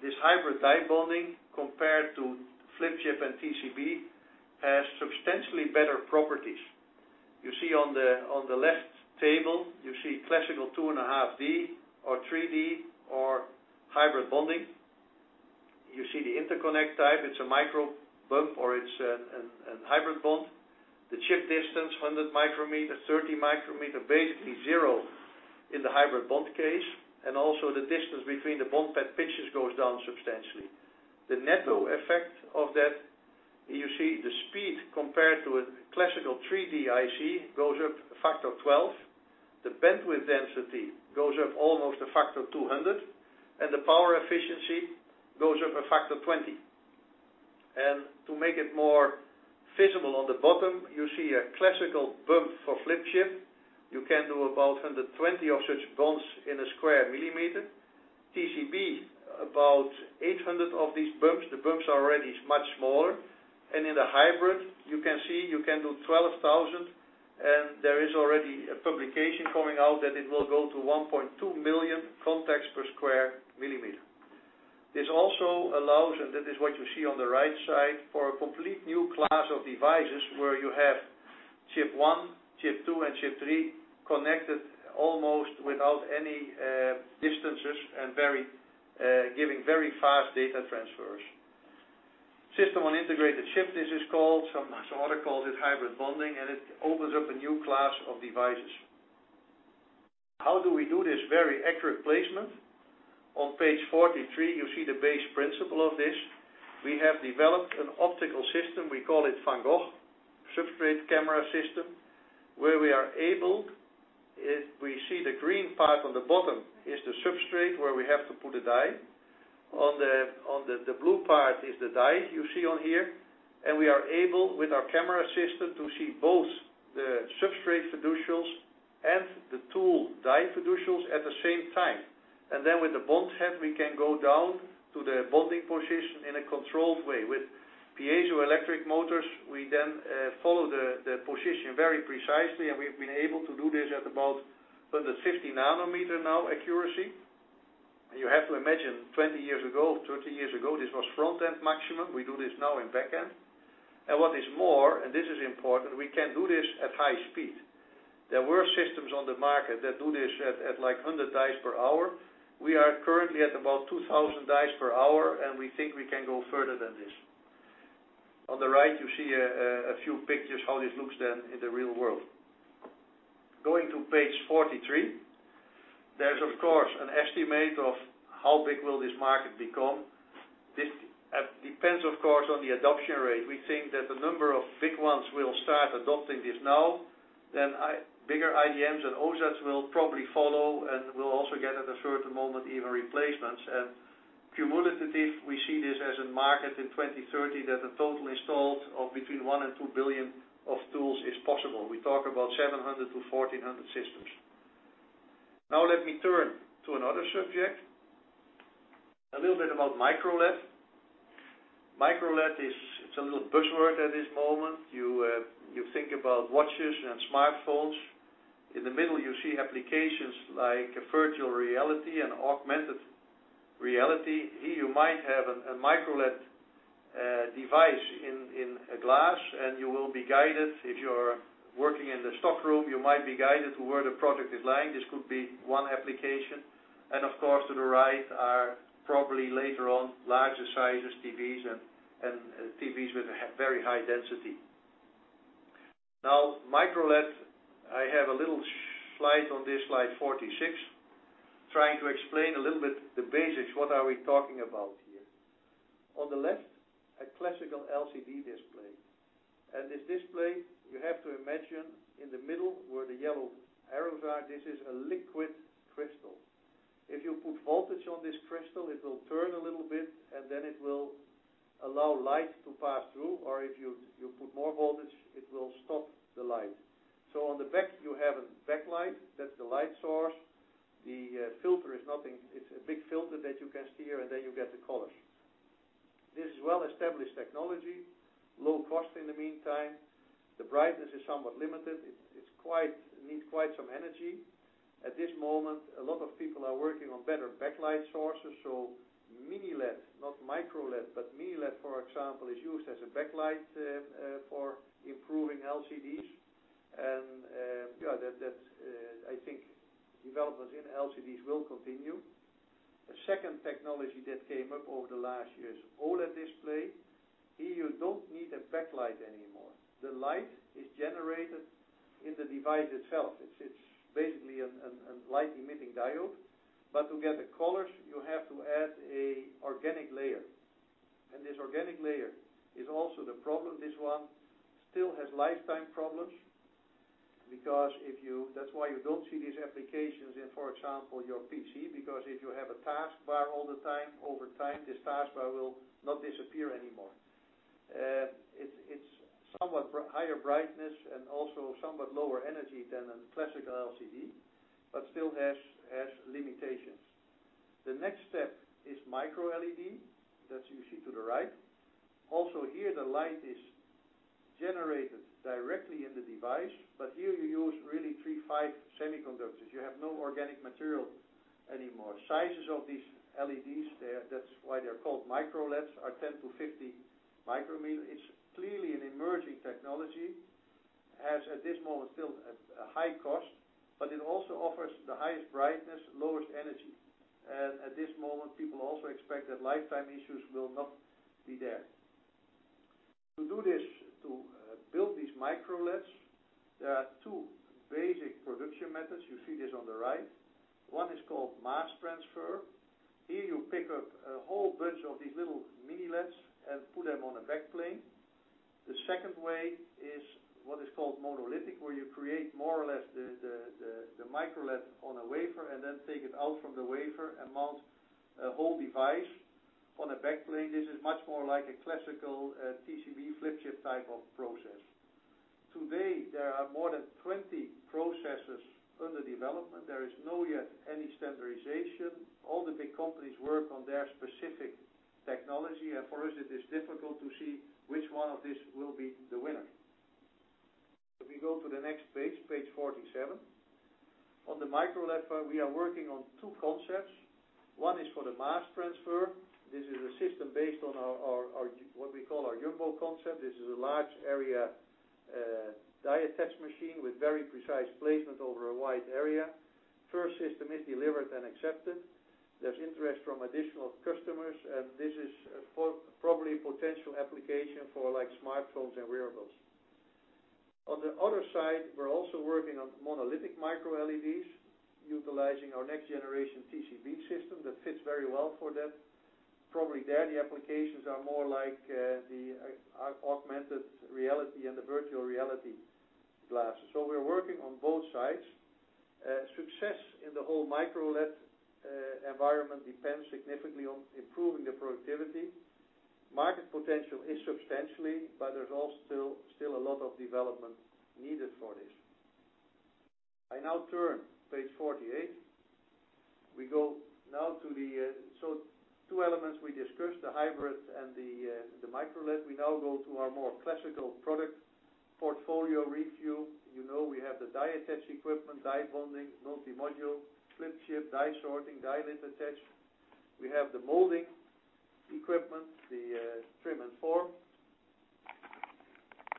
This hybrid die bonding compared to flip chip and TCB has substantially better properties. You see on the left table, you see classical 2.5D or 3D or hybrid bonding. You see the interconnect type, it's a micro bump or it's a hybrid bond. The chip distance, 100 micrometer, 30 micrometer, basically zero in the hybrid bond case, and also the distance between the bond pad pitches goes down substantially. The net effect of that, you see the speed compared to a classical 3D IC goes up a factor of 12. The bandwidth density goes up almost a factor of 200, the power efficiency goes up a factor of 20. To make it more visible on the bottom, you see a classical bump for flip chip. You can do about 120 of such bonds in a square millimeter. TCB, about 800 of these bumps. The bumps are already much smaller. In the hybrid, you can see you can do 12,000, and there is already a publication coming out that it will go to 1.2 million contacts per square millimeter. This also allows, and that is what you see on the right side, for a complete new class of devices where you have chip 1, chip 2, and chip 3 connected almost without any distances and giving very fast data transfers. System-on-integrated chip, this is called, some also call this hybrid bonding, and it opens up a new class of devices. How do we do this very accurate placement? On page 43, you see the base principle of this. We have developed an optical system. We call it Van Gogh substrate camera system, where we see the green part on the bottom is the substrate where we have to put a die. The blue part is the die you see on here, and we are able, with our camera system, to see both the substrate fiducials and the tool die fiducials at the same time. With the bond head, we can go down to the bonding position in a controlled way. With piezoelectric motors, we then follow the position very precisely, and we've been able to do this at about 150 nanometer now accuracy. You have to imagine, 20 years ago, 30 years ago, this was front-end maximum. We do this now in back-end. What is more, and this is important, we can do this at high speed. There were systems on the market that do this at 100 dies per hour. We are currently at about 2,000 dies per hour, and we think we can go further than this. On the right, you see a few pictures how this looks then in the real world. Going to page 43. There's, of course, an estimate of how big will this market become. This depends, of course, on the adoption rate. We think that the number of big ones will start adopting this now. Bigger IDMs and OSATs will probably follow, and we'll also get at a certain moment even replacements. Cumulative, we see this as a market in 2030 that the total installed of between 1 billion and 2 billion of tools is possible. We talk about 700-1,400 systems. Let me turn to another subject. A little bit about Micro LED. Micro LED, it's a little buzzword at this moment. You think about watches and smartphones. In the middle, you see applications like virtual reality and augmented reality. Here you might have a Micro LED device in glass, and you will be guided. If you're working in the stockroom, you might be guided to where the product is lying. This could be one application. Of course, to the right are probably later on larger sizes TVs and TVs with very high density. Micro LED, I have a little slide on this, slide 46, trying to explain a little bit the basics, what are we talking about here. On the left, a classical LCD display. This display, you have to imagine in the middle, where the yellow arrows are, this is a liquid crystal. If you put voltage on this crystal, it will turn a little bit, and then it will allow light to pass through, or if you put more voltage, it will stop the light. On the back, you have a backlight, that's the light source. The filter is nothing. It's a big filter that you can steer, and then you get the colors. This is well-established technology, low cost in the meantime. The brightness is somewhat limited. It needs quite some energy. At this moment, a lot of people are working on better backlight sources, Mini LED, not Micro LED, but Mini LED, for example, is used as a backlight for improving LCDs. Yeah, I think developments in LCDs will continue. A second technology that came up over the last years, OLED display. Here, you don't need a backlight anymore. The light is generated in the device itself. It's basically a light-emitting diode. To get the colors, you have to add an organic layer. This organic layer is also the problem. This one still has lifetime problems. That's why you don't see these applications in, for example, your PC, because if you have a taskbar all the time, over time, this taskbar will not disappear anymore. It's somewhat higher brightness and also somewhat lower energy than a classical LCD, but still has limitations. The next step is Micro LED, that you see to the right. Here, the light is generated directly in the device, but here you use really III-V semiconductors. You have no organic material anymore. Sizes of these LEDs, that's why they're called Micro LEDs, are 10-50 micrometer. It's clearly an emerging technology. It has at this moment still a high cost, but it also offers the highest brightness, lowest energy. At this moment, people also expect that lifetime issues will not be there. To build these Micro LEDs, there are two basic production methods. You see this on the right. One is called mass transfer. Here, you pick up a whole bunch of these little Mini LEDs and put them on a back plane. The second way is what is called monolithic, where you create more or less the Micro LED on a wafer, and then take it out from the wafer and mount a whole device on a back plane. This is much more like a classical TCB flip chip type 2 process. Today, there are more than 20 processes under development. There is not yet any standardization. All the big companies work on their specific technology. For us, it is difficult to see which one of these will be the winner. If we go to the next page 47. On the Micro LED front, we are working on two concepts. One is for the mass transfer. This is a system based on what we call our jumbo concept. This is a large area, die attach machine with very precise placement over a wide area. First system is delivered and accepted. There's interest from additional customers, and this is probably a potential application for smartphones and wearables. On the other side, we're also working on monolithic Micro LEDs utilizing our next generation TCB system that fits very well for that. Probably there, the applications are more like the augmented reality and the virtual reality glasses. We're working on both sides. Success in the whole Micro LED environment depends significantly on improving the productivity. Market potential is substantial, but there's all still a lot of development needed for this. I now turn, page 48. Two elements we discussed, the hybrids and the Micro LED. We now go to our more classical product portfolio review. You know we have the die attach equipment, die bonding, multi-module, flip chip, die sorting, die attach. We have the molding equipment, the trim and form,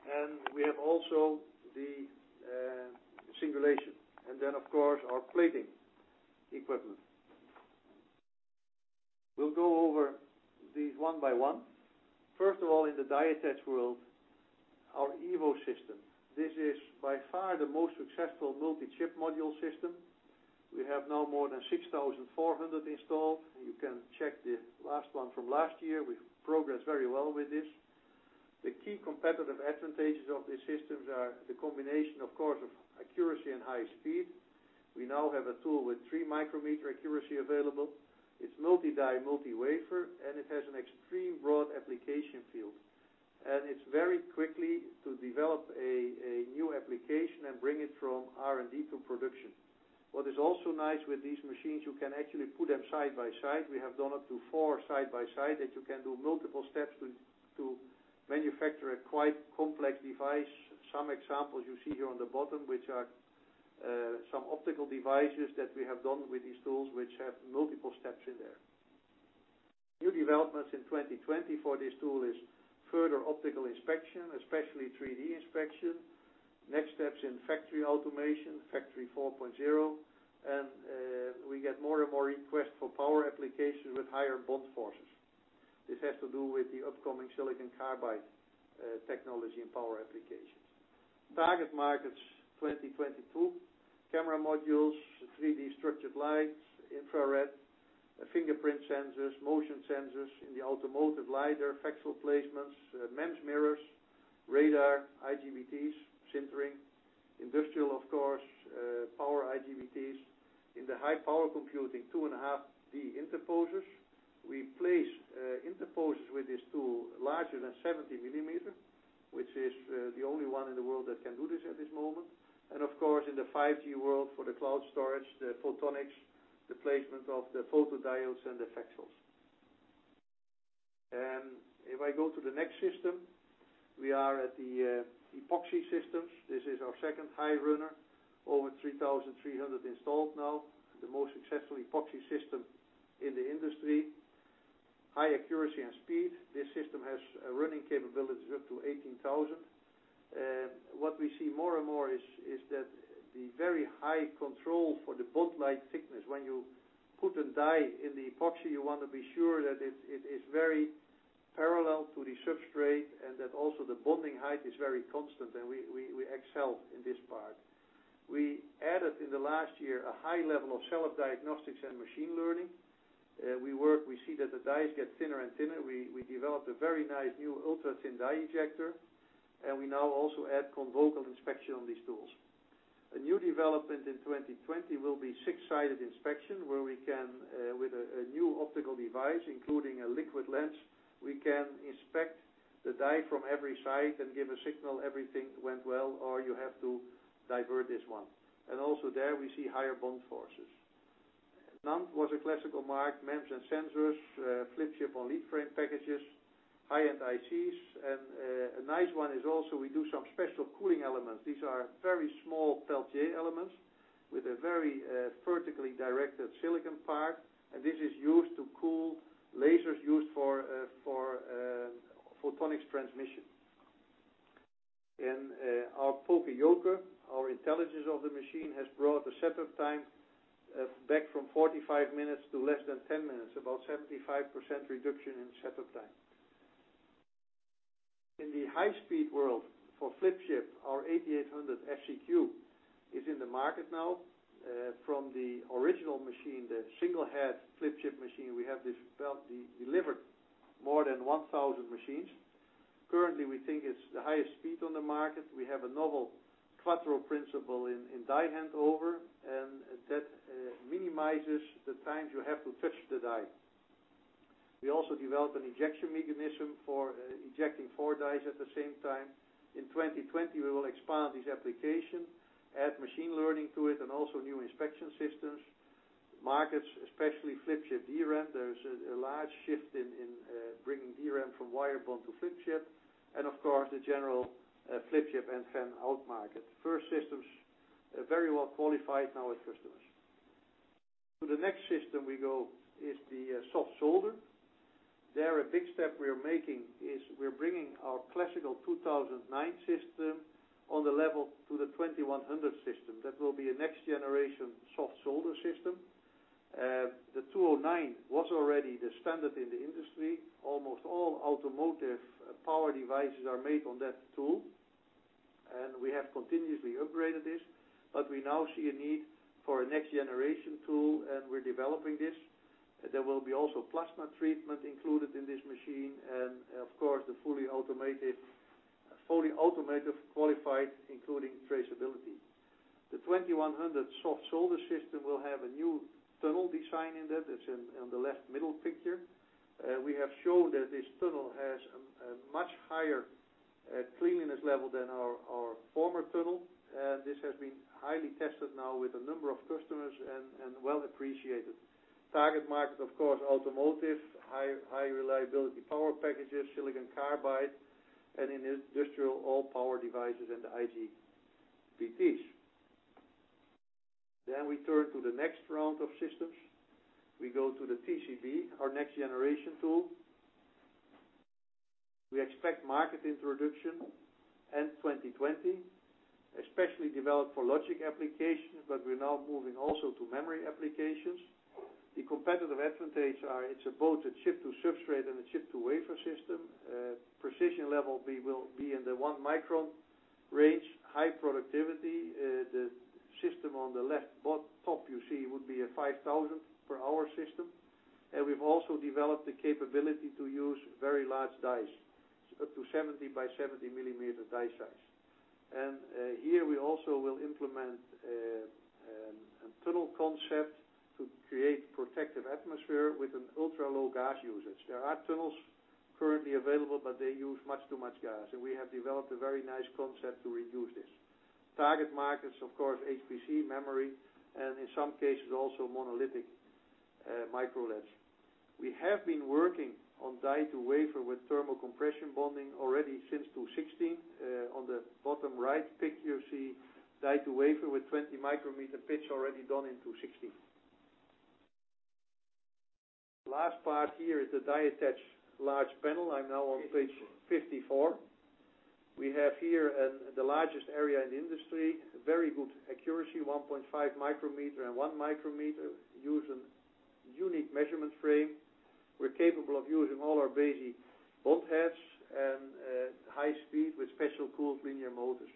and we have also the singulation. Then, of course, our plating equipment. We'll go over these one by one. First of all, in the die attach world, our EVO system. This is by far the most successful multi-chip module system. We have now more than 6,400 installed. You can check the last one from last year. We've progressed very well with this. The key competitive advantages of these systems are the combination, of course, of accuracy and high speed. We now have a tool with three micrometer accuracy available. It's multi-die, multi-wafer. It has an extreme broad application field. It's very quickly to develop a new application and bring it from R&D to production. What is also nice with these machines, you can actually put them side by side. We have done up to four side by side, that you can do multiple steps to manufacture a quite complex device. Some examples you see here on the bottom, which are some optical devices that we have done with these tools, which have multiple steps in there. New developments in 2020 for this tool is further optical inspection, especially 3D inspection. Next steps in factory automation, Industry 4.0. We get more and more requests for power applications with higher bond forces. This has to do with the upcoming silicon carbide technology and power applications. Target markets 2022, camera modules, 3D structured lights, infrared, fingerprint sensors, motion sensors in the automotive, LiDAR, VCSEL placements, MEMS mirrors, radar, IGBTs, sintering. Industrial, of course, power IGBTs. In the high power computing, 2.5D interposers. We place interposers with this tool larger than 70 millimeters, which is the only one in the world that can do this at this moment. Of course, in the 5G world for the cloud storage, the photonics, the placement of the photodiodes and the VCSELs. If I go to the next system, we are at the epoxy systems. This is our second high runner. Over 3,300 installed now. The most successful epoxy system in the industry. High accuracy and speed. This system has running capabilities of up to 18,000. What we see more and more is that the very high control for the bond line thickness. When you put a die in the epoxy, you want to be sure that it is very parallel to the substrate and that also the bonding height is very constant, and we excel in this part. We added in the last year a high level of self-diagnostics and machine learning. We see that the dies get thinner and thinner. We developed a very nice new ultra-thin die ejector, and we now also add confocal inspection on these tools. A new development in 2020 will be six-sided inspection, where with a new optical device, including a liquid lens, we can inspect the die from every side and give a signal everything went well, or you have to divert this one. Also there we see higher bond forces. NAND was a classical market. MEMS and sensors, flip chip on lead frame packages, high-end ICs. A nice one is also we do some special cooling elements. These are very small Peltier elements. With a very vertically directed silicon part, and this is used to cool lasers used for photonics transmission. Our poka-yoke, our intelligence of the machine, has brought the setup time back from 45 minutes to less than 10 minutes, about 75% reduction in setup time. In the high-speed world for flip chip, our 8800 FCQ is in the market now. From the original machine, the single-head flip chip machine, we have delivered more than 1,000 machines. Currently, we think it's the highest speed on the market. We have a novel quattro principle in die handover, and that minimizes the times you have to touch the die. We also developed an ejection mechanism for ejecting four dies at the same time. In 2020, we will expand this application, add machine learning to it, and also new inspection systems. Markets, especially flip chip DRAM, there's a large shift in bringing DRAM from wire bond to flip chip, and of course, the general flip chip and fan-out market. Systems are very well qualified now with customers. To the next system we go is the soft solder. There, a big step we are making is we're bringing our classical 2009 system on the level to the 2100 system. It will be a next generation soft solder system. The 2009 was already the standard in the industry. Almost all automotive power devices are made on that tool. We have continuously upgraded this, but we now see a need for a next generation tool, and we're developing this. There will be also plasma treatment included in this machine and, of course, the fully automated qualified, including traceability. The 2100 soft solder system will have a new tunnel design in that. It's in the left middle picture. We have shown that this tunnel has a much higher cleanliness level than our former tunnel. This has been highly tested now with a number of customers and well appreciated. Target market, of course, automotive, high reliability power packages, silicon carbide, and in industrial, all power devices and the IGBTs. We turn to the next round of systems. We go to the TCB, our next generation tool. We expect market introduction end 2020, especially developed for logic applications, but we're now moving also to memory applications. The competitive advantage are it's both a chip to substrate and a chip to wafer system. Precision level will be in the 1 micron range, high productivity. The system on the left top you see would be a 5,000 per hour system. We've also developed the capability to use very large dies, up to 70 by 70 millimeter die size. Here we also will implement a tunnel concept to create protective atmosphere with an ultra low gas usage. There are tunnels currently available, but they use much too much gas. We have developed a very nice concept to reduce this. Target markets, of course, HPC, memory, and in some cases, also monolithic Micro LEDs. We have been working on die to wafer with thermal compression bonding already since 2016. On the bottom right pic you see die to wafer with 20 micrometer pitch already done in 2016. Last part here is the die attach large panel. I'm now on page 54. We have here the largest area in the industry. Very good accuracy, 1.5 micrometers and 1 micrometer. Use a unique measurement frame. We're capable of using all our basic bond heads and high speed with special cooled linear motors.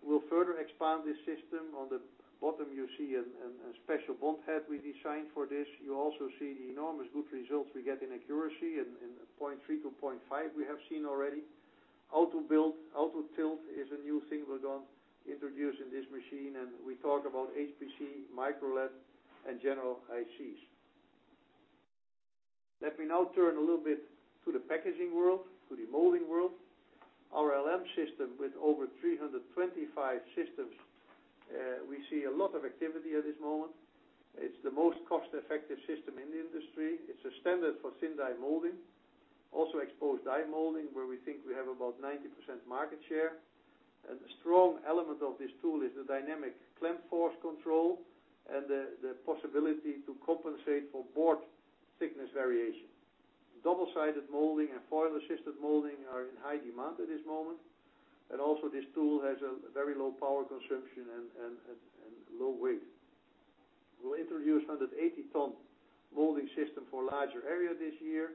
We'll further expand this system. On the bottom, you see a special bond head we designed for this. You also see the enormous good results we get in accuracy in 0.3-0.5 we have seen already. Auto build, auto tilt is a new thing we're going to introduce in this machine. We talk about HPC, Micro LED, and general ICs. Let me now turn a little bit to the packaging world, to the molding world. Our LM system with over 325 systems, we see a lot of activity at this moment. It's the most cost-effective system in the industry. It's a standard for thin die molding, also exposed die molding, where we think we have about 90% market share. The strong element of this tool is the dynamic clamp force control and the possibility to compensate for board thickness variation. Double-sided molding and foil-assisted molding are in high demand at this moment. Also, this tool has a very low power consumption and low weight. We'll introduce 180 ton molding system for larger area this year,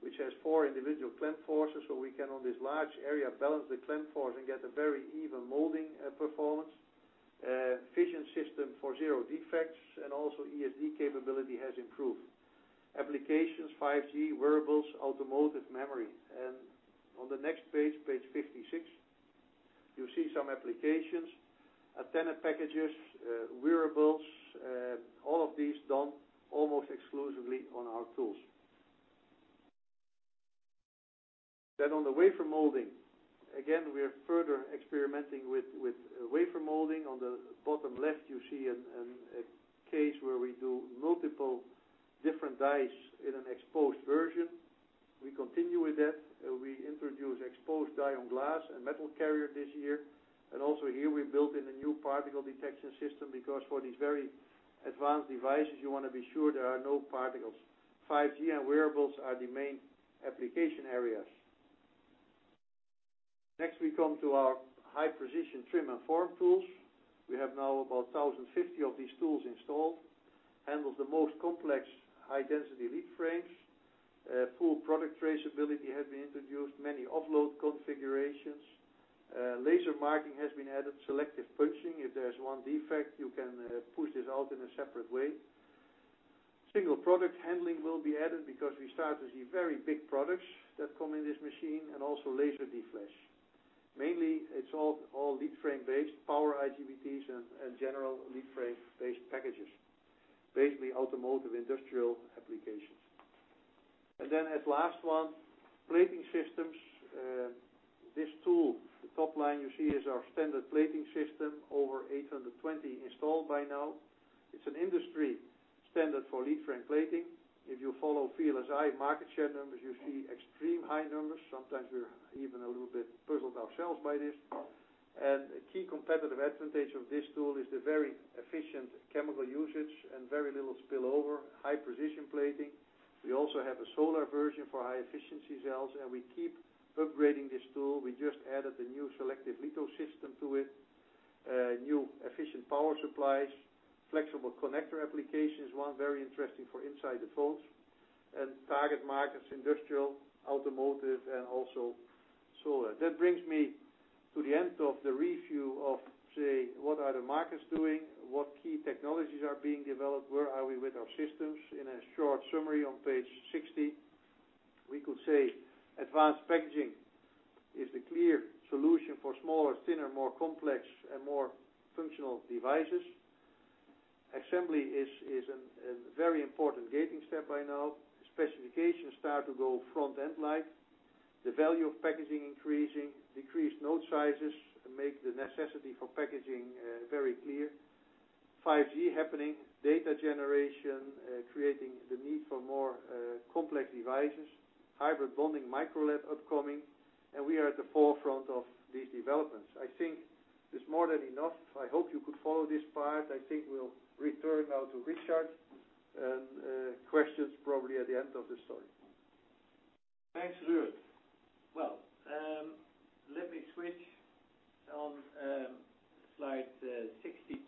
which has four individual clamp forces, so we can, on this large area, balance the clamp force and get a very even molding performance. Vision system for zero defects and also ESD capability has improved. Applications, 5G, wearables, automotive, memory. On the next page 56, you see some applications. Antenna packages, wearables, all of these done almost exclusively on our tools. On the wafer molding. We're further experimenting with wafer molding. On the bottom left, you see a case where we do multiple different dies in an exposed version. We continue with that. We introduce exposed die on glass and metal carrier this year. Also here we built in a new particle detection system because for these very advanced devices, you want to be sure there are no particles. 5G and wearables are the main application areas. Next, we come to our high precision trim and form tools. We have now about 1,050 of these tools installed. Handles the most complex high density lead frames. Full product traceability has been introduced. Many offload configurations. Laser marking has been added. Selective punching, if there's one defect, you can push this out in a separate way. Single product handling will be added because we start to see very big products that come in this machine, also laser deflash. Mainly, it's all lead frame-based power IGBTs and general lead frame-based packages. Basically, automotive, industrial applications. As last one, plating systems. This tool, the top line you see is our standard plating system, over 820 installed by now. It's an industry standard for lead frame plating. If you follow VLSI market share numbers, you see extreme high numbers. Sometimes we're even a little bit puzzled ourselves by this. A key competitive advantage of this tool is the very efficient chemical usage and very little spillover, high precision plating. We also have a solar version for high efficiency cells, and we keep upgrading this tool. We just added the new selective veto system to it. New efficient power supplies, flexible connector applications, one very interesting for inside the phones. Target markets, industrial, automotive, and also solar. That brings me to the end of the review of, say, what are the markets doing, what key technologies are being developed, where are we with our systems. In a short summary on page 60, we could say advanced packaging is the clear solution for smaller, thinner, more complex, and more functional devices. Assembly is a very important gating step by now. Specifications start to go front-end light. The value of packaging increasing. Decreased node sizes make the necessity for packaging very clear. 5G happening, data generation creating the need for more complex devices. Hybrid bonding micro LED upcoming. We are at the forefront of these developments. I think it's more than enough. I hope you could follow this part. I think we'll return now to Richard, and questions probably at the end of this talk. Thanks, Ruurd. Let me switch on slide 62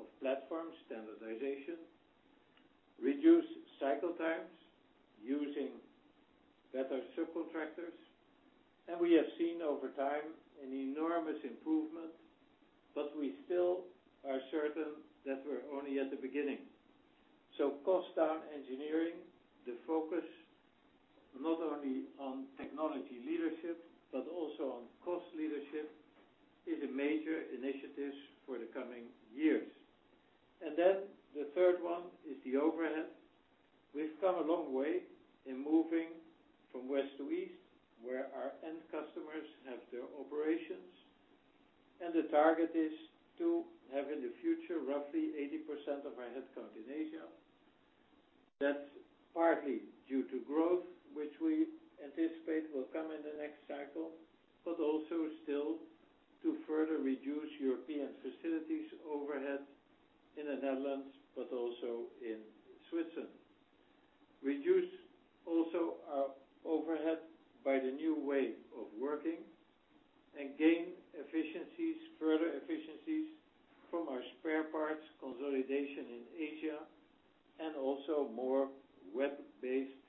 of platform standardization, reduce cycle times using better subcontractors. We have seen over time an enormous improvement, but we still are certain that we're only at the beginning. Cost down engineering, the focus not only on technology leadership, but also on cost leadership, is a major initiative for the coming years. The third one is the overhead. We've come a long way in moving from west to east, where our end customers have their operations, and the target is to have in the future, roughly 80% of our headcount in Asia. That's partly due to growth, which we anticipate will come in the next cycle, but also still to further reduce European facilities overhead in the Netherlands, but also in Switzerland. Reduce also our overhead by the new way of working and gain efficiencies, further efficiencies from our spare parts consolidation in Asia, and also more web-based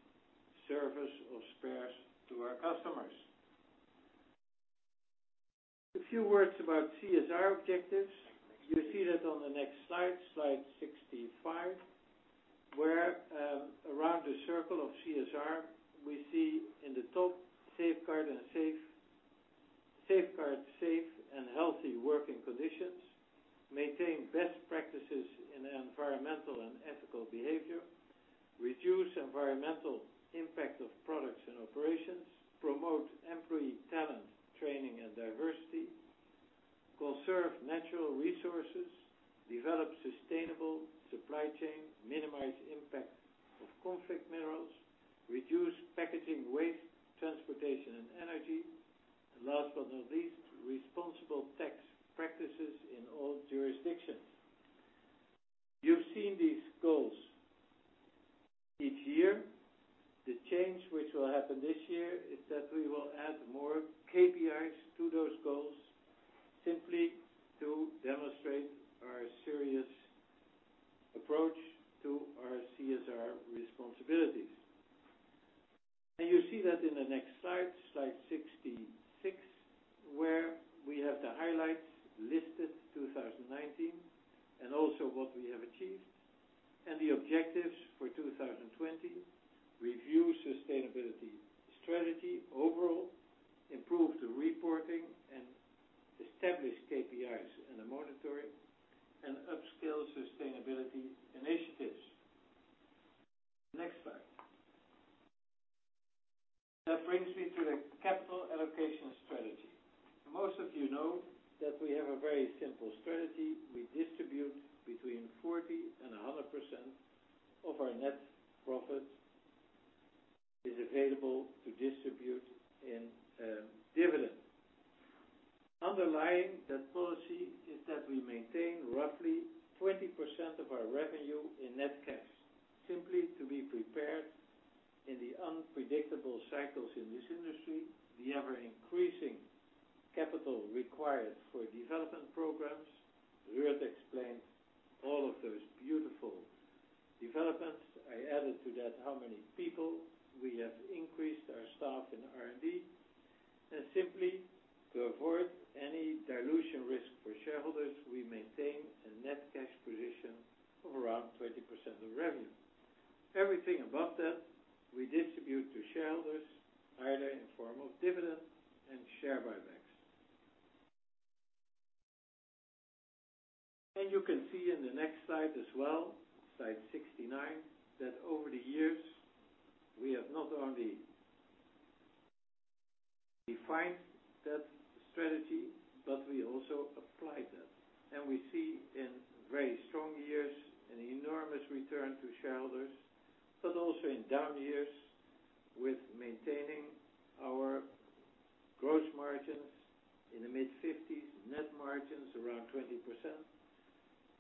service of spares to our customers. A few words about CSR objectives. You see that on the next slide 65, where around the circle of CSR, we see in the top, safeguard safe and healthy working conditions, maintain best practices in environmental and ethical behavior, reduce environmental impact of products and operations, promote employee talent training and diversity, conserve natural resources, develop sustainable supply chain, minimize impact of conflict minerals, reduce packaging waste, transportation, and energy, and last but not least, responsible tax practices in all jurisdictions. You've seen these goals each year. The change which will happen this year is that we will add more KPIs to those goals simply to demonstrate our serious approach to our CSR responsibilities. You see that in the next slide 66, where we have the highlights listed 2019, and also what we have achieved and the objectives for 2020. Review sustainability strategy overall, improve the reporting and establish KPIs and a monitoring, and upskill sustainability initiatives. Next slide. That brings me to the capital allocation strategy. Most of you know that we have a very simple strategy. We distribute between 40% and 100% of our net profit is available to distribute in dividend. Underlying that policy is that we maintain roughly 20% of our revenue in net cash, simply to be prepared in the unpredictable cycles in this industry, the ever-increasing capital required for development programs. Ruurd explained all of those beautiful developments. I added to that how many people we have increased our staff in R&D and simply to avoid any dilution risk for shareholders, we maintain a net cash position of around 20% of revenue. Everything above that, we distribute to shareholders either in form of dividend and share buybacks. You can see in the next slide as well, slide 69, that over the years we have not only defined that strategy, but we also applied that. We see in very strong years an enormous return to shareholders, but also in down years with maintaining our gross margins in the mid-50s, net margins around 20%,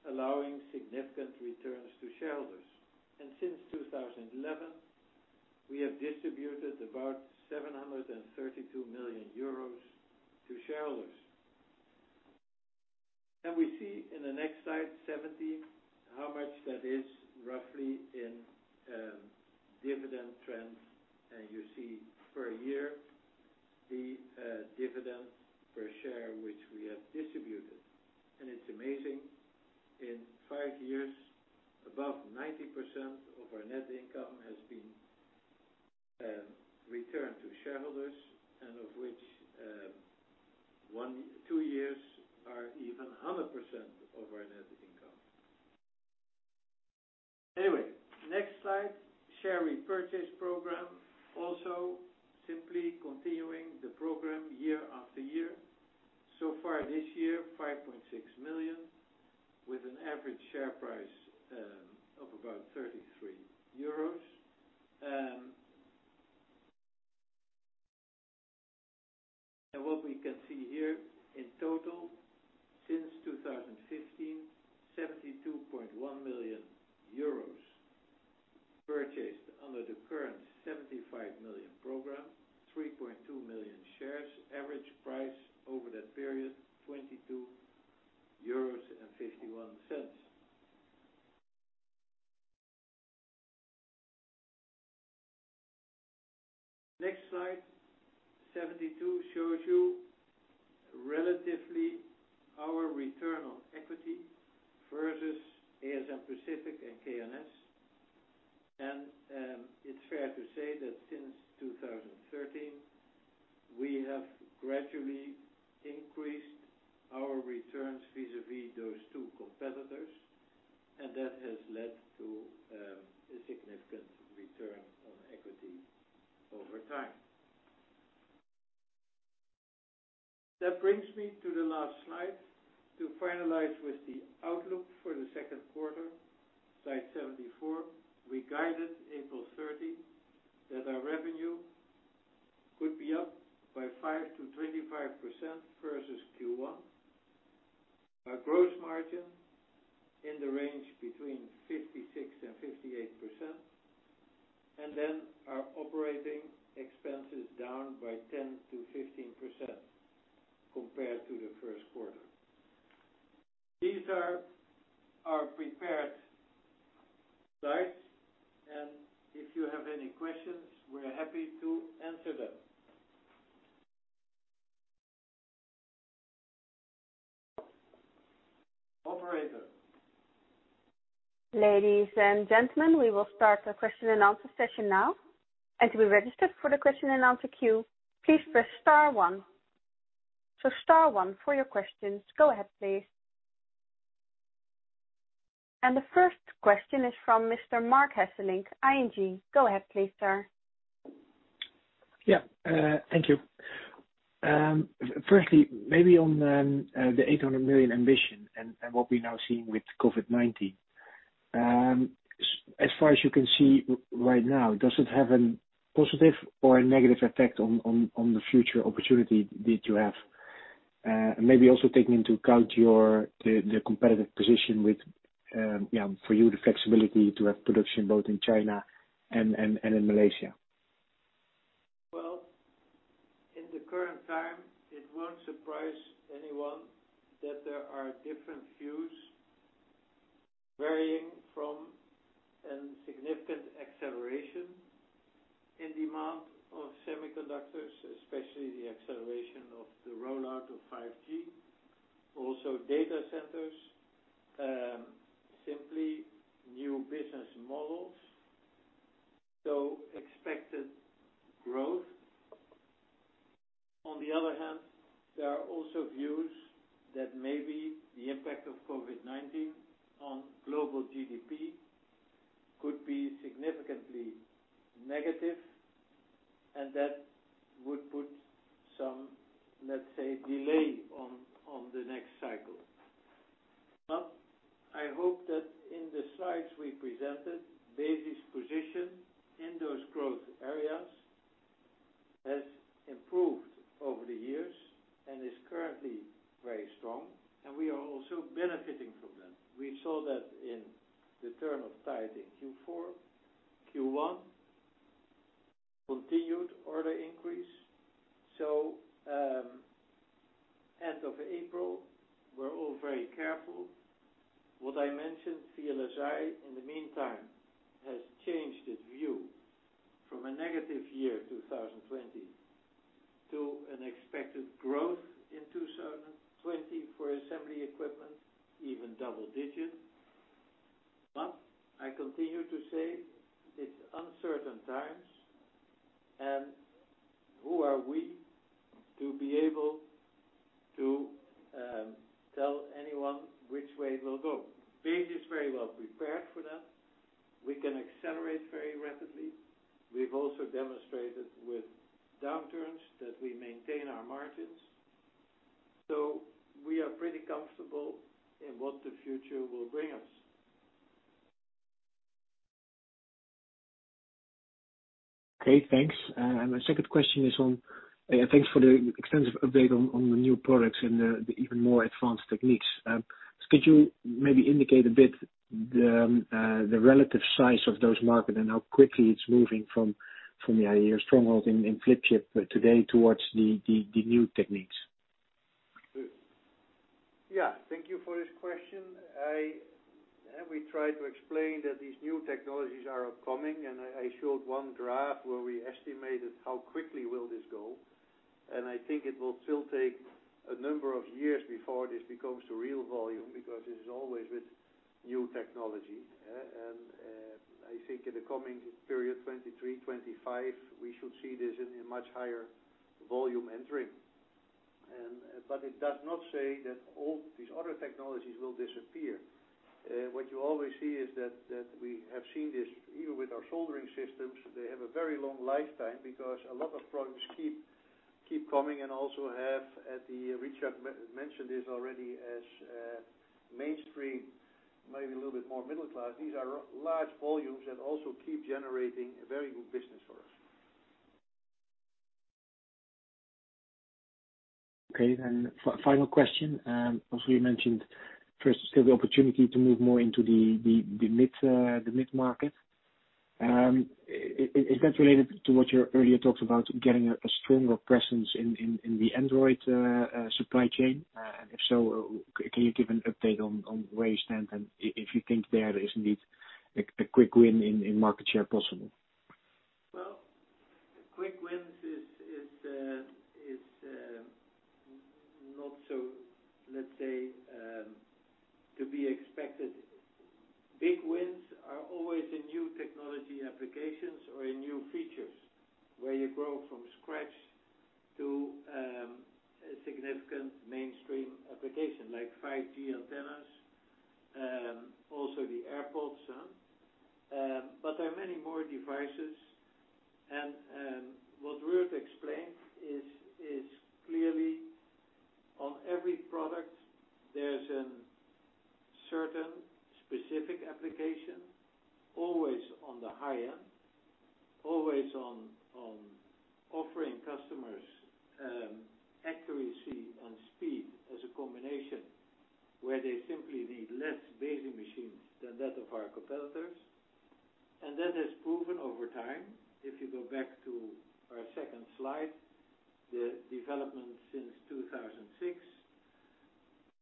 allowing significant returns to shareholders. Since 2011, we have distributed about 732 million euros to shareholders. We see in the next slide 70 how much that is roughly in dividend trends. You see per year the dividend per share, which we have distributed. It's amazing, in five years, above 90% of our net income has beenReturn to shareholders, of which two years are even 100% over our net income. Anyway, next slide. Share repurchase program, also simply continuing the program year after year. Far this year, 5.6 million with an average share price of about 33 euros. What we can see here in total since 2015, 72.1 million euros purchased under the current 75 million program, 3.2 million shares, average price over that period, 22.51 euros. Next slide 72 shows you relatively our return on equity versus ASM Pacific and K&S. It's fair to say that since 2013, we have gradually increased our returns vis-a-vis those two competitors, and that has led to a significant return on equity over time. That brings me to the last slide to finalize with the outlook for the second quarter, slide 74. We guided April 30 that our revenue could be up by 5%-25% versus Q1. Our gross margin in the range between 56% and 58%, and then our operating expenses down by 10%-15% compared to the first quarter. These are our prepared slides, and if you have any questions, we're happy to answer them. Operator? Ladies and gentlemen, we will start the question and answer session now. To be registered for the question and answer queue, please press star one. Star one for your questions. Go ahead, please. The first question is from Mr. Marc Hesselink, ING. Go ahead please, sir. Thank you. Maybe on the 800 million ambition and what we're now seeing with COVID-19. As far as you can see right now, does it have a positive or a negative effect on the future opportunity that you have? Maybe also taking into account the competitive position with, for you, the flexibility to have production both in China and in Malaysia. Well, in the current time, it won't surprise anyone that there are different views varying from a significant acceleration in demand of semiconductors, especially the acceleration of the rollout of 5G, also data centers, simply new business models, so expected growth. On the other hand, there are also views that maybe the impact of COVID-19 on global GDP could be significantly negative, and that would put some, let's say, delay on the next cycle. I hope that in the slides we presented, Besi's position in those growth areas has improved over the years and is currently very strong, and we are also benefiting from them. We saw that in the turn of tide in Q4, Q1, continued order increase. End of April, we're all very careful. What I mentioned, CLSA, in the meantime, has changed its view from a negative year 2020 to an expected growth in 2020 for assembly equipment, even double digits. I continue to say it's uncertain times, and who are we to be able to tell anyone which way it will go? Besi is very well prepared for that. We can accelerate very rapidly. We've also demonstrated with downturns that we maintain our margins. We are pretty comfortable in what the future will bring us. Okay, thanks. My second question is. Thanks for the extensive update on the new products and the even more advanced techniques. Could you maybe indicate a bit the relative size of those markets and how quickly it's moving from your stronghold in flip chip today towards the new techniques? Yeah. Thank you for this question. We tried to explain that these new technologies are upcoming, and I showed one graph where we estimated how quickly will this go? I think it will still take a number of years before this becomes a real volume, because it is always with new technology. I think in the coming period, 2023, 2025, we should see this in a much higher volume entry. It does not say that all these other technologies will disappear. What you always see is that, we have seen this even with our soldering systems, they have a very long lifetime because a lot of products keep coming and also have, as Richard mentioned this already, as mainstream, maybe a little bit more middle class. These are large volumes that also keep generating a very good business for us. Final question. You mentioned first still the opportunity to move more into the mid-market. Is that related to what you earlier talked about, getting a stronger presence in the Android supply chain? If so, can you give an update on where you stand and if you think there is indeed a quick win in market share possible? Well, quick wins is not, let's say, to be expected. Big wins are always in new technology applications or in new features, where you grow from scratch to a significant mainstream application like 5G antennas, also the AirPods. There are many more devices, and what Ruurd explained is clearly on every product, there's a certain specific application, always on the high end, always on offering customers accuracy and speed as a combination where they simply need less VSM machines than that of our competitors. That has proven over time, if you go back to our second slide, the development since 2006.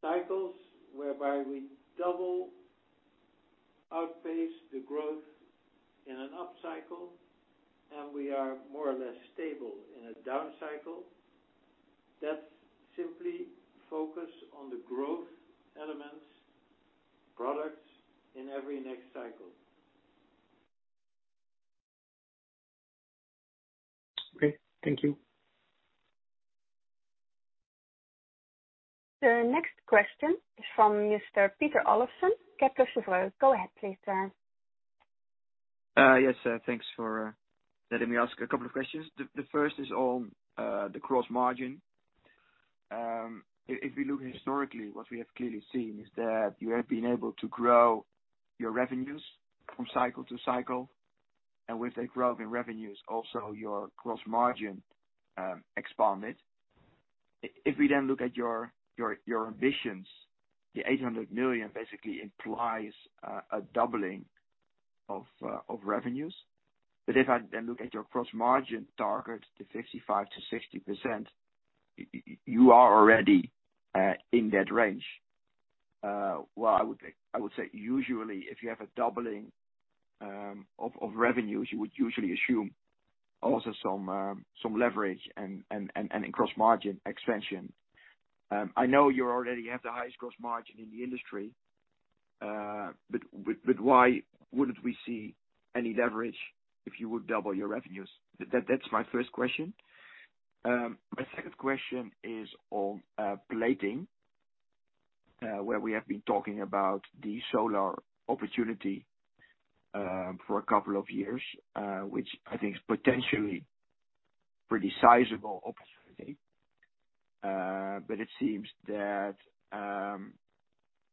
Cycles whereby we double outpace the growth in an up cycle, and we are more or less stable in a down cycle. That's simply focus on the growth elements, products in every next cycle. Okay. Thank you. The next question is from Mr. Peter Olofsen, Kepler Cheuvreux. Go ahead, please sir. Yes, thanks for letting me ask a couple of questions. The first is on the gross margin. If we look historically, what we have clearly seen is that you have been able to grow your revenues from cycle to cycle, and with a growth in revenues, also your gross margin expanded. If we then look at your ambitions, the 800 million basically implies a doubling of revenues. If I then look at your gross margin target to 55%-60%, you are already in that range. Well, I would say usually if you have a doubling of revenues, you would usually assume also some leverage and in cross-margin expansion. I know you already have the highest gross margin in the industry, but why wouldn't we see any leverage if you would double your revenues? That's my first question. My second question is on plating, where we have been talking about the solar opportunity, for a couple of years, which I think is potentially pretty sizable opportunity. It seems that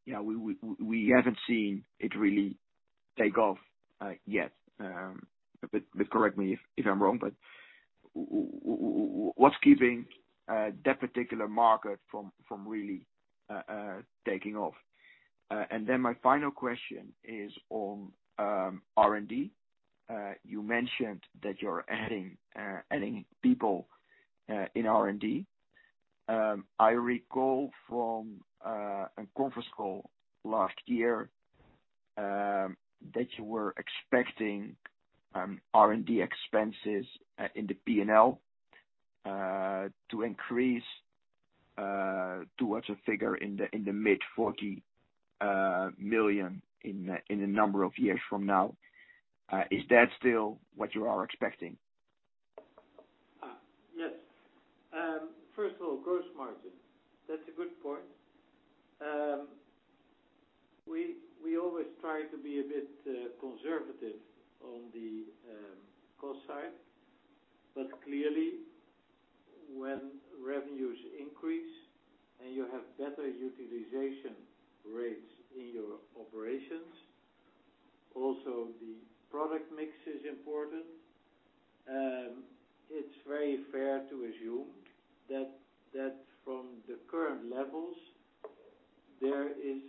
we haven't seen it really take off yet. Correct me if I'm wrong, what's keeping that particular market from really taking off? My final question is on R&D. You mentioned that you're adding people in R&D. I recall from a conference call last year, that you were expecting R&D expenses in the P&L, to increase towards a figure in the mid 40 million in a number of years from now. Is that still what you are expecting? Yes. First of all, gross margin. That's a good point. Clearly when revenues increase and you have better utilization rates in your operations, also the product mix is important. It's very fair to assume that from the current levels, there is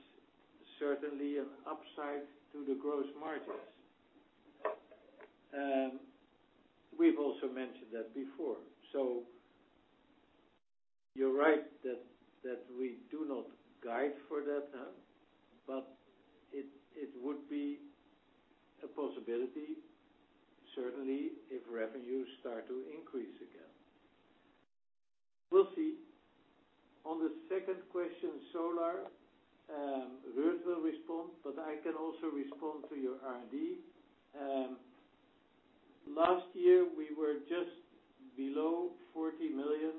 certainly an upside to the gross margins. We've also mentioned that before. You're right that we do not guide for that. It would be a possibility, certainly, if revenues start to increase again. We'll see. On the second question, solar, Ruurd will respond, but I can also respond to your R&D. Last year, we were just below 40 million,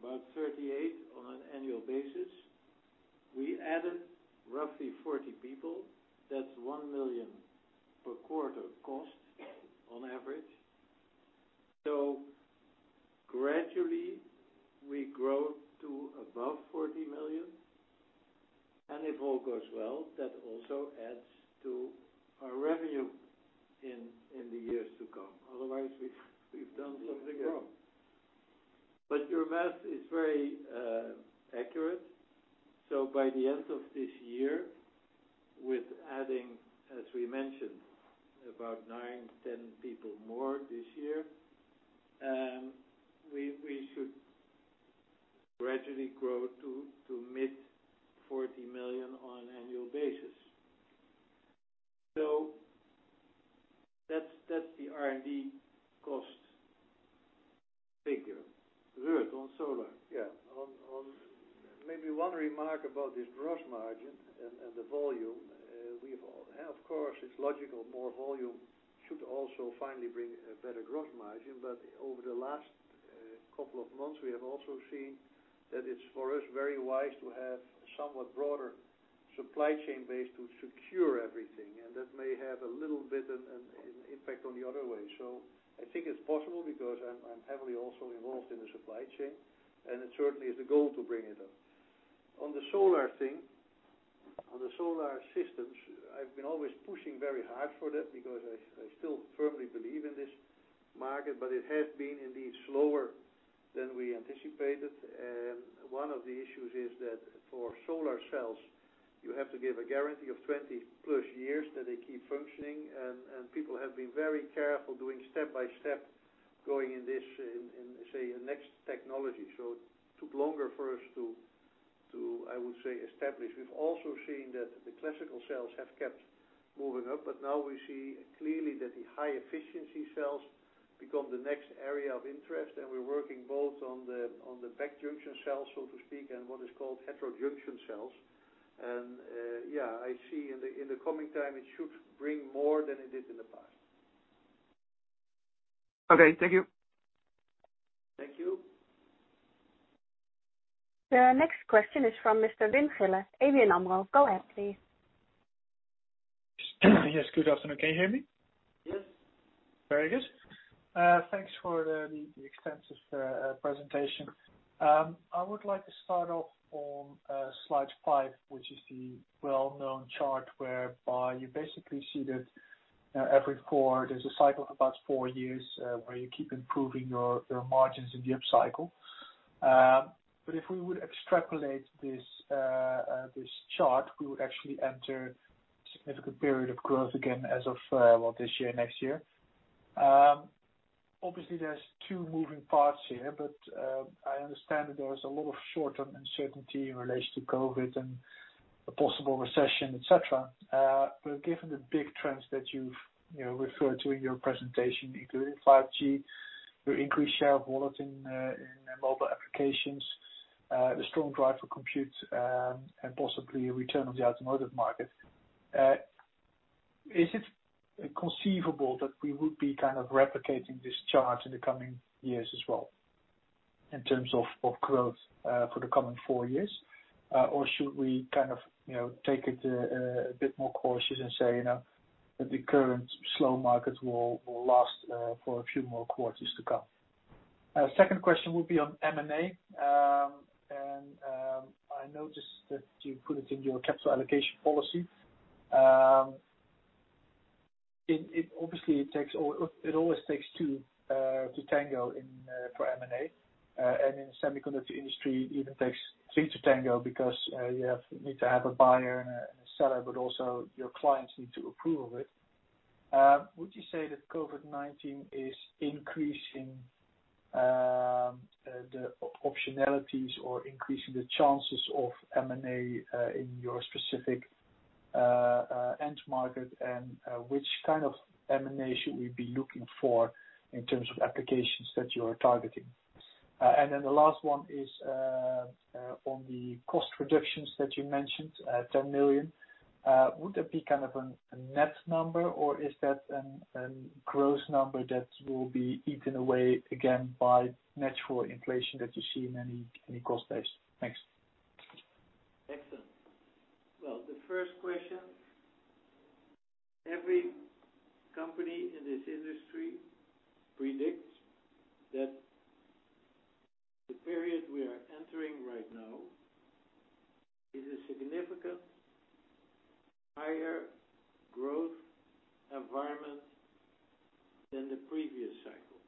about 38 million on an annual basis. We added roughly 40 people. That's 1 million per quarter cost on average. Gradually, we grow to above 40 million, and if all goes well, that also adds to our revenue in the years to come. Otherwise, we've done something wrong. Your math is very accurate. By the end of this year, with adding, as we mentioned, about nine, 10 people more this year, we should gradually grow to mid 40 million on an annual basis. That's the R&D cost figure. Ruurd, on solar. Yeah. Maybe one remark about this gross margin and the volume. Of course, it's logical, more volume should also finally bring a better gross margin. Over the last couple of months, we have also seen that it's, for us, very wise to have somewhat broader supply chain base to secure everything, and that may have a little bit of an impact on the other way. I think it's possible because I'm heavily also involved in the supply chain, and it certainly is the goal to bring it up. On the solar thing, on the solar systems, I've been always pushing very hard for that because I still firmly believe in this market, but it has been indeed slower than we anticipated. One of the issues is that for solar cells, you have to give a guarantee of 20+ years that they keep functioning, and people have been very careful doing step by step going in, say, next technology. It took longer for us to, I would say, establish. We've also seen that the classical cells have kept moving up, but now we see clearly that the high-efficiency cells become the next area of interest, and we're working both on the back junction cells, so to speak, and what is called heterojunction cells. Yeah, I see in the coming time, it should bring more than it did in the past. Okay. Thank you. Thank you. The next question is from Mr. Wim Gille, ABN AMRO. Go ahead, please. Yes, good afternoon. Can you hear me? Yes. Very good. Thanks for the extensive presentation. I would like to start off on slide five, which is the well-known chart whereby you basically see that there's a cycle of about four years, where you keep improving your margins in the upcycle. If we would extrapolate this chart, we would actually enter a significant period of growth again as of, well, this year, next year. Obviously, there's two moving parts here, but, I understand that there is a lot of short-term uncertainty in relation to COVID-19 and a possible recession, et cetera. Given the big trends that you've referred to in your presentation, including 5G, your increased share of wallet in mobile applications, the strong drive for compute, and possibly a return of the automotive market, is it conceivable that we would be kind of replicating this chart in the coming years as well in terms of growth, for the coming four years? Should we take it a bit more cautious and say that the current slow markets will last for a few more quarters to come? Second question would be on M&A. I noticed that you put it in your capital allocation policy. Obviously, it always takes two to tango for M&A, and in the semiconductor industry, it even takes three to tango because you need to have a buyer and a seller, but also your clients need to approve of it. Would you say that COVID-19 is increasing the optionalities or increasing the chances of M&A in your specific end market? Which kind of M&A should we be looking for in terms of applications that you are targeting? The last one is, on the cost reductions that you mentioned, 10 million, would that be kind of a net number, or is that a gross number that will be eaten away again by natural inflation that you see in any cost base? Thanks. Excellent. Well, the first question, every company in this industry predicts that the period we are entering right now is a significant higher growth environment than the previous cycle,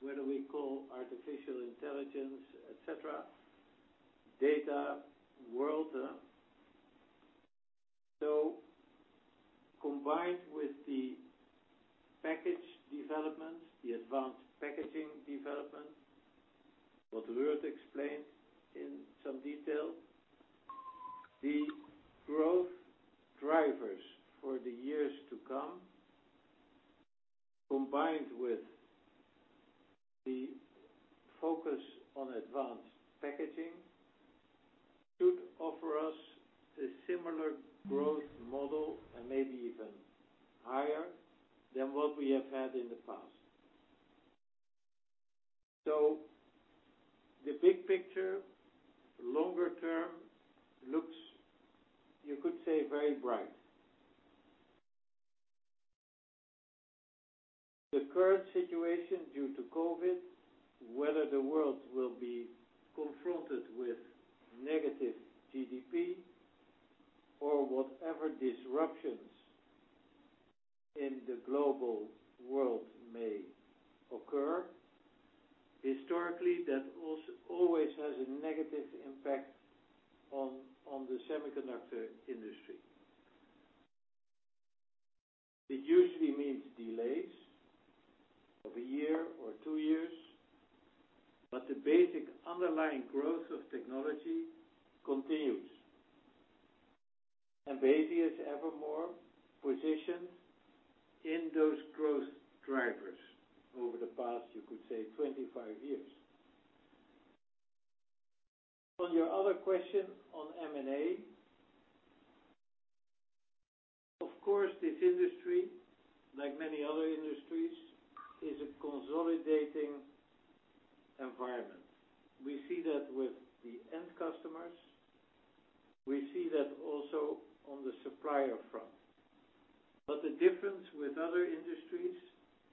whether we call artificial intelligence, et cetera. Combined with the package development, the advanced packaging development, what Ruud explained in some detail, the growth drivers for the years to come, combined with the focus on advanced packaging, should offer us a similar growth model and maybe even higher than what we have had in the past. The big picture, longer term, looks, you could say very bright. The current situation due to COVID-19, whether the world will be confronted with negative GDP or whatever disruptions in the global world may occur, historically, that always has a negative impact on the semiconductor industry. It usually means delays of a year or two years, but the basic underlying growth of technology continues. BESI is ever more positioned in those growth drivers over the past, you could say, 25 years. On your other question on M&A, of course, this industry, like many other industries, is a consolidating environment. We see that with the end customers. We see that also on the supplier front. The difference with other industries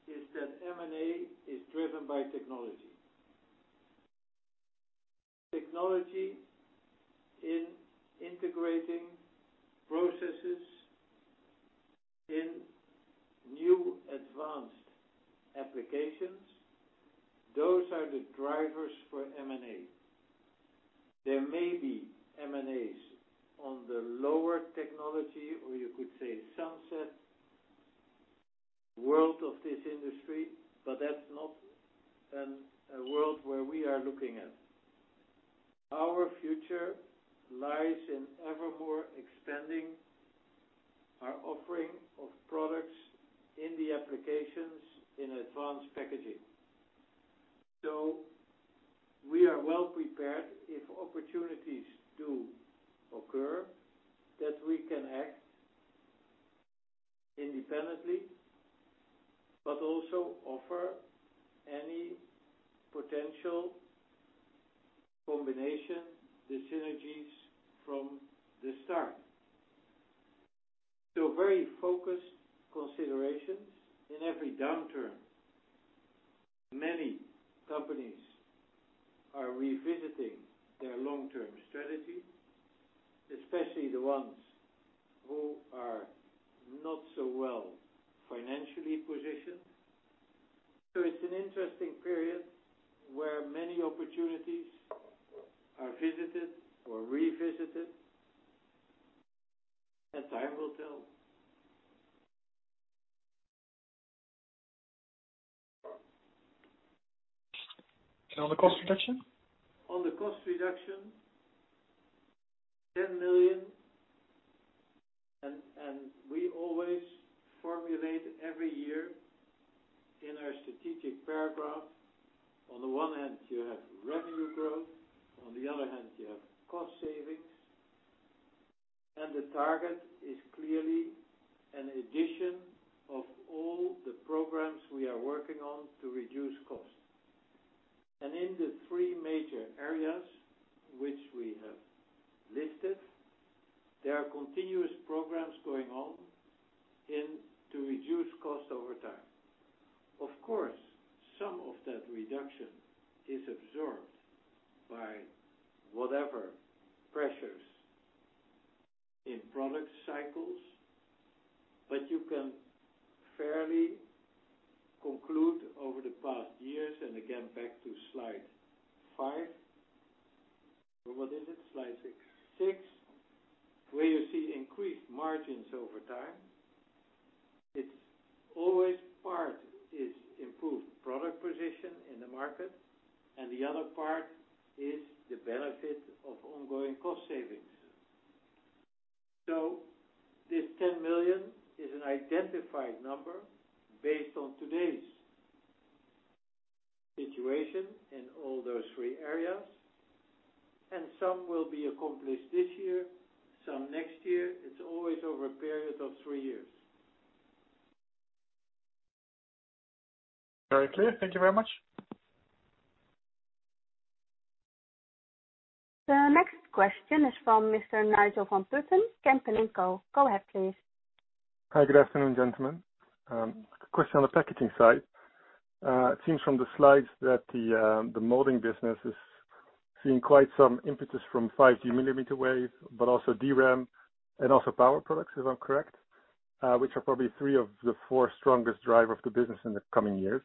is that M&A is driven by technology. Technology in integrating processes in new advanced applications, those are the drivers for M&A. There may be M&As on the lower technology, or you could say, sunset world of this industry, but that's not a world where we are looking at. Our future lies in evermore expanding our offering of products in the applications in advanced packaging. We are well-prepared if opportunities do occur, that we can act independently, but also offer any potential combination, the synergies from the start. Very focused considerations in every downturn. Many companies are revisiting their long-term strategy, especially the ones who are not so well financially positioned. It's an interesting period where many opportunities are visited or revisited, and time will tell. On the cost reduction? On the cost reduction, 10 million. We always formulate every year in our strategic paragraph, on the one hand, you have revenue growth, on the other hand, you have cost savings. The target is clearly an addition of all the programs we are working on to reduce costs. In the three major areas which we have listed, there are continuous programs going on to reduce cost over time. Of course, some of that reduction is absorbed by whatever pressures in product cycles. You can fairly conclude over the past years, and again, back to slide five. Or what is it? Slide six, where you see increased margins over time. Always part is improved product position in the market. The other part is the benefit of ongoing cost savings. This 10 million is an identified number based on today's situation in all those three areas, and some will be accomplished this year, some next year. It's always over a period of three years. Very clear. Thank you very much. The next question is from Mr. Nigel van Putten, Kempen & Co. Go ahead, please. Hi. Good afternoon, gentlemen. Question on the packaging side. It seems from the slides that the molding business is seeing quite some impetus from 5G millimeter wave, but also DRAM and also power products, if I'm correct, which are probably three of the four strongest driver of the business in the coming years.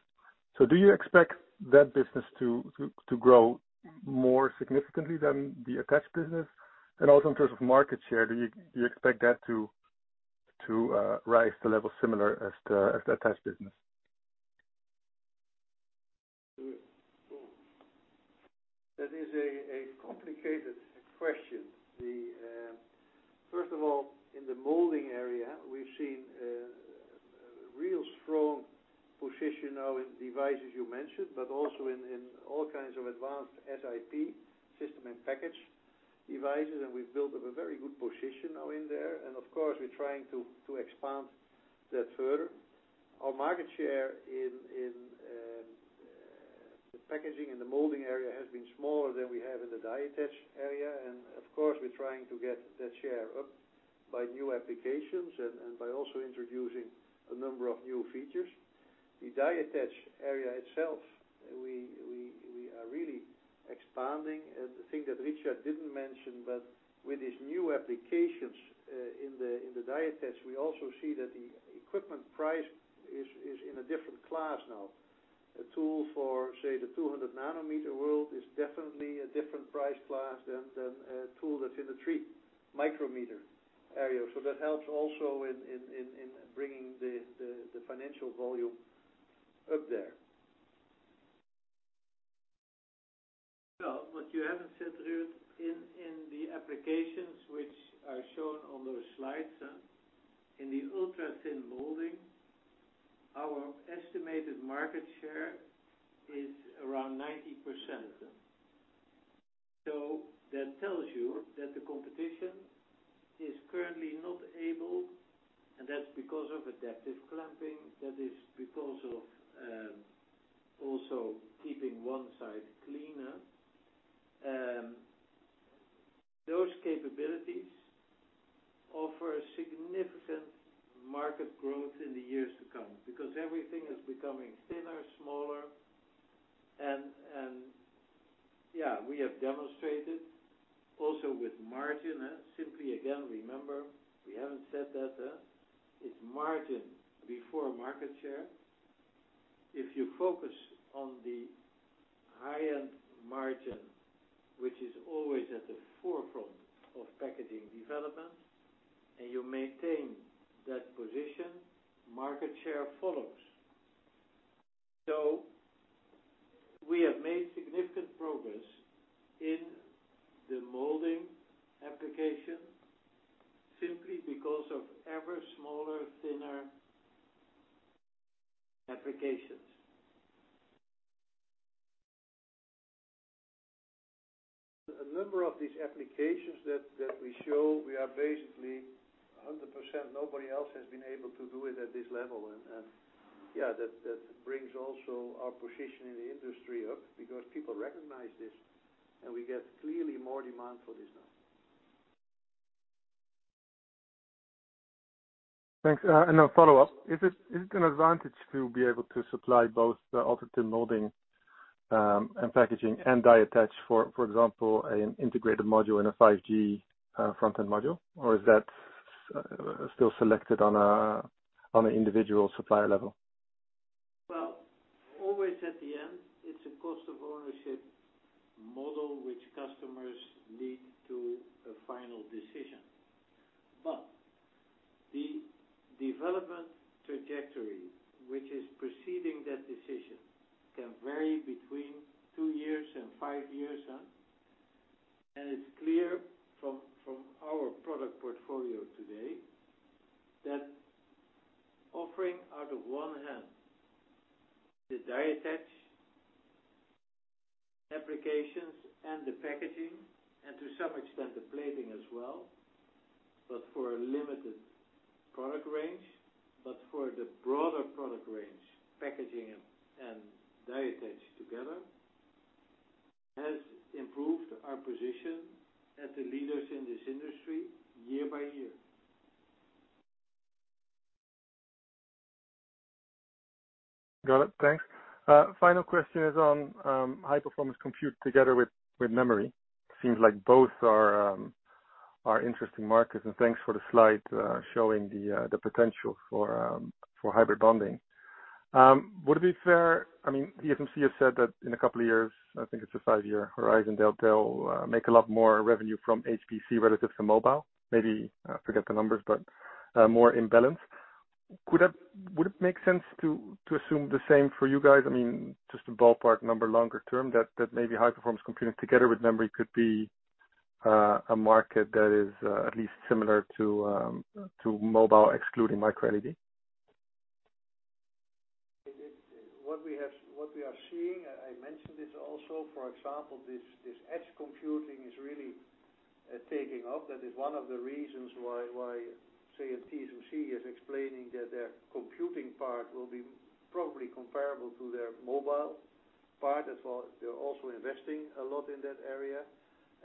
Do you expect that business to grow more significantly than the attach business? Also in terms of market share, do you expect that to rise to levels similar as the attach business? That is a complicated question. First of all, in the molding area, we've seen a real strong position now in devices you mentioned, but also in all kinds of advanced SiP, system and package devices, and we've built up a very good position now in there. Of course, we're trying to expand that further. Our market share in the packaging and the molding area has been smaller than we have in the die attach area, and of course, we're trying to get that share up by new applications and by also introducing a number of new features. The die attach area itself, we are really expanding. The thing that Richard didn't mention, but with these new applications, in the die attach, we also see that the equipment price is in a different class now. A tool for, say, the 200 nanometer world is definitely a different price class than a tool that's in the three micrometer area. That helps also in bringing the financial volume up there. Well, what you haven't said, Ruurd, in the applications which are shown on those slides. In the ultra-thin molding, our estimated market share is around 90%. That tells you that the competition is currently not able, and that's because of adaptive clamping. That is because of also keeping one side cleaner. Those capabilities offer significant market growth in the years to come, because everything is becoming thinner, smaller. Yeah, we have demonstrated also with margin. Simply again, remember, we haven't said that. It's margin before market share. If you focus on the high-end margin, which is always at the forefront of packaging development, and you maintain that position, market share follows. We have made significant progress in the molding application simply because of ever smaller, thinner applications. A number of these applications that we show, we are basically 100%, nobody else has been able to do it at this level. Yeah, that brings also our position in the industry up because people recognize this, and we get clearly more demand for this now. Thanks. A follow-up. Is it an advantage to be able to supply both the ultra-thin molding, and packaging, and die attach, for example, an integrated module in a 5G front-end module? Is that still selected on an individual supplier level? Always at the end, it's a cost of ownership model which customers need to a final decision. The development trajectory, which is preceding that decision, can vary between two years and five years. It's clear from our product portfolio today that offering out of one hand, the die attach applications and the packaging, and to some extent, the plating as well, but for a limited product range. For the broader product range, packaging and die attach together, has improved our position as the leaders in this industry year by year. Got it. Thanks. Final question is on high-performance compute together with memory. Seems like both are interesting markets. Thanks for the slide showing the potential for hybrid bonding. Would it be fair, TSMC has said that in a couple of years, I think it's a five-year horizon, they'll make a lot more revenue from HPC relative to mobile. Maybe I forget the numbers, but more in balance. Would it make sense to assume the same for you guys? Just a ballpark number longer term, that maybe high-performance computing together with memory could be a market that is at least similar to mobile, excluding Micro LED? What we are seeing, I mentioned this also, for example, this edge computing is really taking off. That is one of the reasons why TSMC is explaining that their computing part will be probably comparable to their mobile part. That's why they're also investing a lot in that area,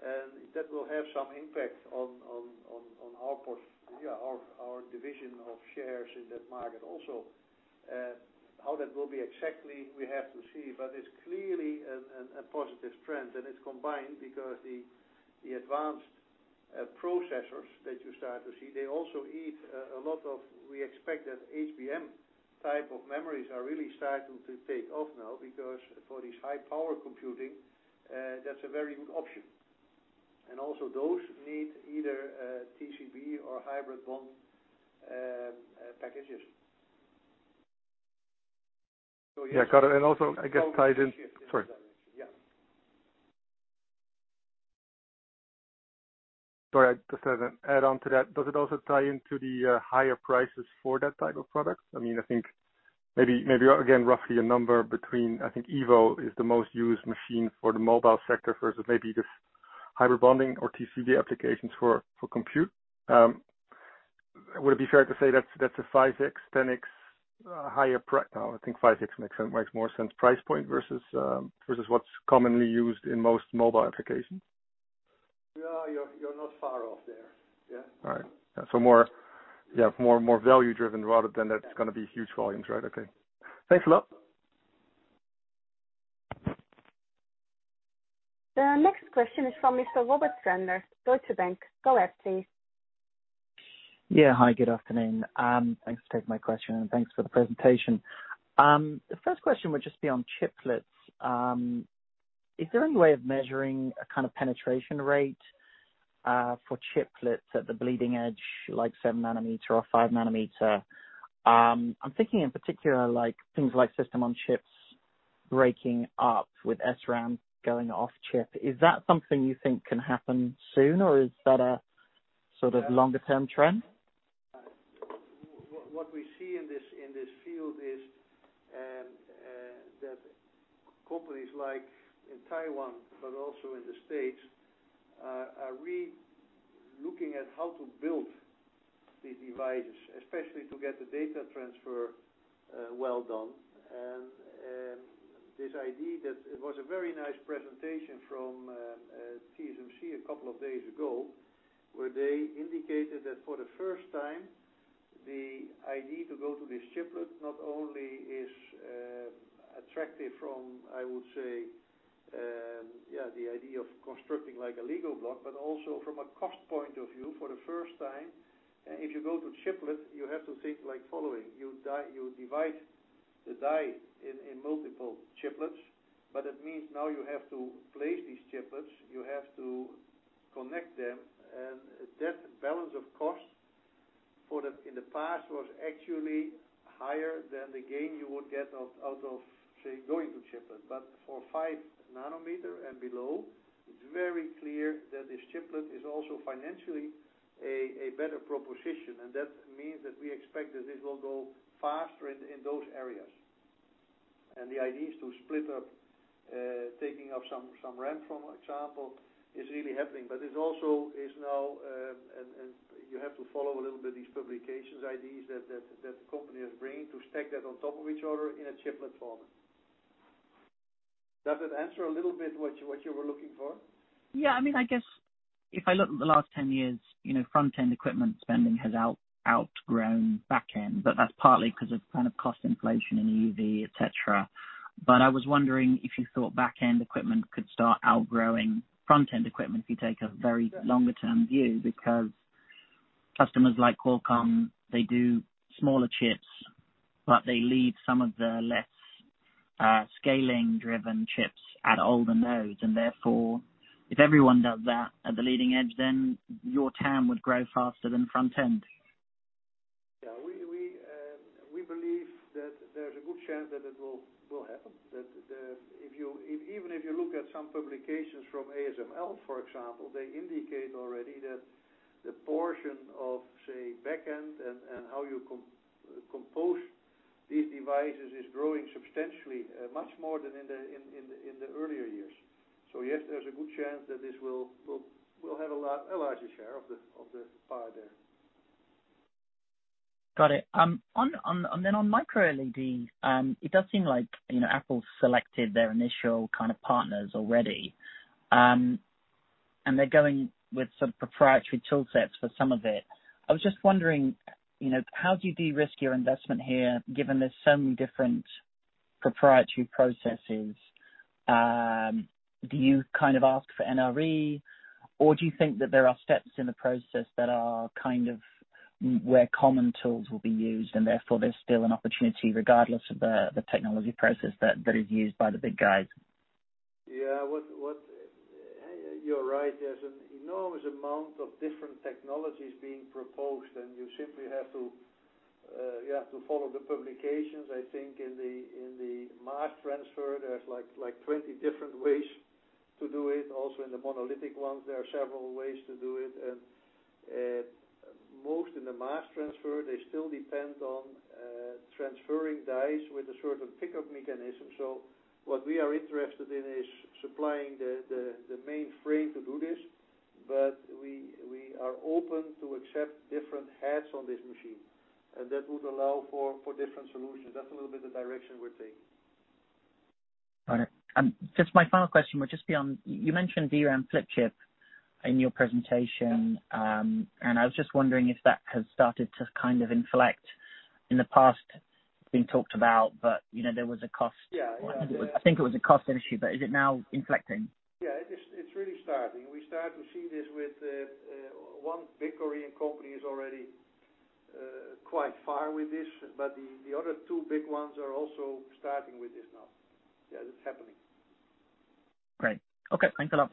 and that will have some impact on our division of shares in that market also. How that will be exactly, we have to see, but it's clearly a positive trend, and it's combined because the advanced processors that you start to see, they also eat a lot of, we expect that HBM type of memories are really starting to take off now because for these high power computing, that's a very good option. Also those need either TCB or hybrid bond packages. Yeah, got it. Sorry. Sorry. Just as an add-on to that, does it also tie into the higher prices for that type of product? I think maybe, again, roughly a number between, I think EVO is the most used machine for the mobile sector versus maybe this hybrid bonding or TCB applications for compute. Would it be fair to say that's a 5X, 10X higher price? No, I think 5X makes more sense. Price point versus what's commonly used in most mobile applications. You're not far off there. Yeah. All right. More value-driven rather than it's going to be huge volumes, right? Okay. Thanks a lot. The next question is from Mr. Robert Sanders, Deutsche Bank. Go ahead, please. Yeah. Hi, good afternoon. Thanks for taking my question. Thanks for the presentation. The first question would just be on chiplets. Is there any way of measuring a kind of penetration rate, for chiplets at the bleeding edge, like seven nanometer or five nanometer? I'm thinking in particular things like system-on-chips breaking up with SRAM going off-chip. Is that something you think can happen soon, or is that a sort of longer-term trend? What we see in this field is that companies like in Taiwan, but also in the States, are re-looking at how to build these devices, especially to get the data transfer well done. This idea that it was a very nice presentation from TSMC a couple of days ago, where they indicated that for the first time, the idea to go to this chiplet not only is attractive from, I would say, the idea of constructing like a Lego block, also from a cost point of view for the first time, if you go to chiplet, you have to think like following. You divide the die in multiple chiplets, it means now you have to place these chiplets, you have to connect them, that balance, of course, in the past was actually higher than the gain you would get out of, say, going to chiplet. For 5 nanometer and below, it's very clear that this chiplet is also financially a better proposition. That means that we expect that this will go faster in those areas. The idea is to split up, taking up SRAM, for example, is really happening. It also is now, and you have to follow a little bit these publications ideas that the company is bringing to stack that on top of each other in a chiplet format. Does it answer a little bit what you were looking for? I guess if I look at the last 10 years, front-end equipment spending has outgrown back-end, but that's partly because of kind of cost inflation in EUV, et cetera. I was wondering if you thought back-end equipment could start outgrowing front-end equipment if you take a very longer-term view, because customers like Qualcomm, they do smaller chips, but they leave some of the less scaling-driven chips at older nodes. Therefore, if everyone does that at the leading edge, then your TAM would grow faster than front-end. We believe that there's a good chance that it will happen. Even if you look at some publications from ASML, for example, they indicate already that the portion of, say, back-end and how you compose these devices is growing substantially, much more than in the earlier years. Yes, there's a good chance that this will have a larger share of the pie there. Got it. On Micro LED, it does seem like Apple's selected their initial kind of partners already. They're going with some proprietary tool sets for some of it. I was just wondering, how do you de-risk your investment here, given there's so many different proprietary processes? Do you kind of ask for NRE, or do you think that there are steps in the process that are kind of where common tools will be used, and therefore, there's still an opportunity regardless of the technology process that is used by the big guys? Yeah. You're right. There's an enormous amount of different technologies being proposed, and you simply have to follow the publications. I think in the mass transfer, there's 20 different ways to do it. In the monolithic ones, there are several ways to do it, and most in the mass transfer, they still depend on transferring dies with a sort of pickup mechanism. What we are interested in is supplying the mainframe to do this, but we are open to accept different heads on this machine, and that would allow for different solutions. That's a little bit the direction we're taking. Got it. I was just wondering if that has started to kind of inflect in the past. It's been talked about, there was a cost- Yeah I think it was a cost issue, but is it now inflecting? It's really starting. We start to see this with one big Korean company is already quite far with this, but the other two big ones are also starting with this now. It's happening. Great. Okay, thanks a lot.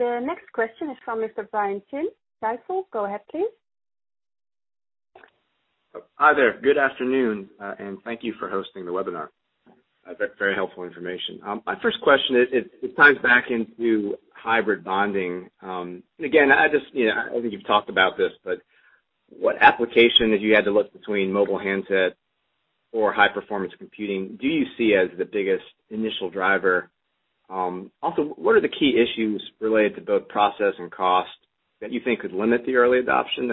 The next question is from Mr. Brian Chin, Stifel. Go ahead, please. Hi there. Good afternoon, and thank you for hosting the webinar. That's very helpful information. My first question, it ties back into hybrid bonding. Again, I think you've talked about this, but what application, if you had to look between mobile handsets or high-performance computing, do you see as the biggest initial driver? What are the key issues related to both process and cost that you think could limit the early adoption?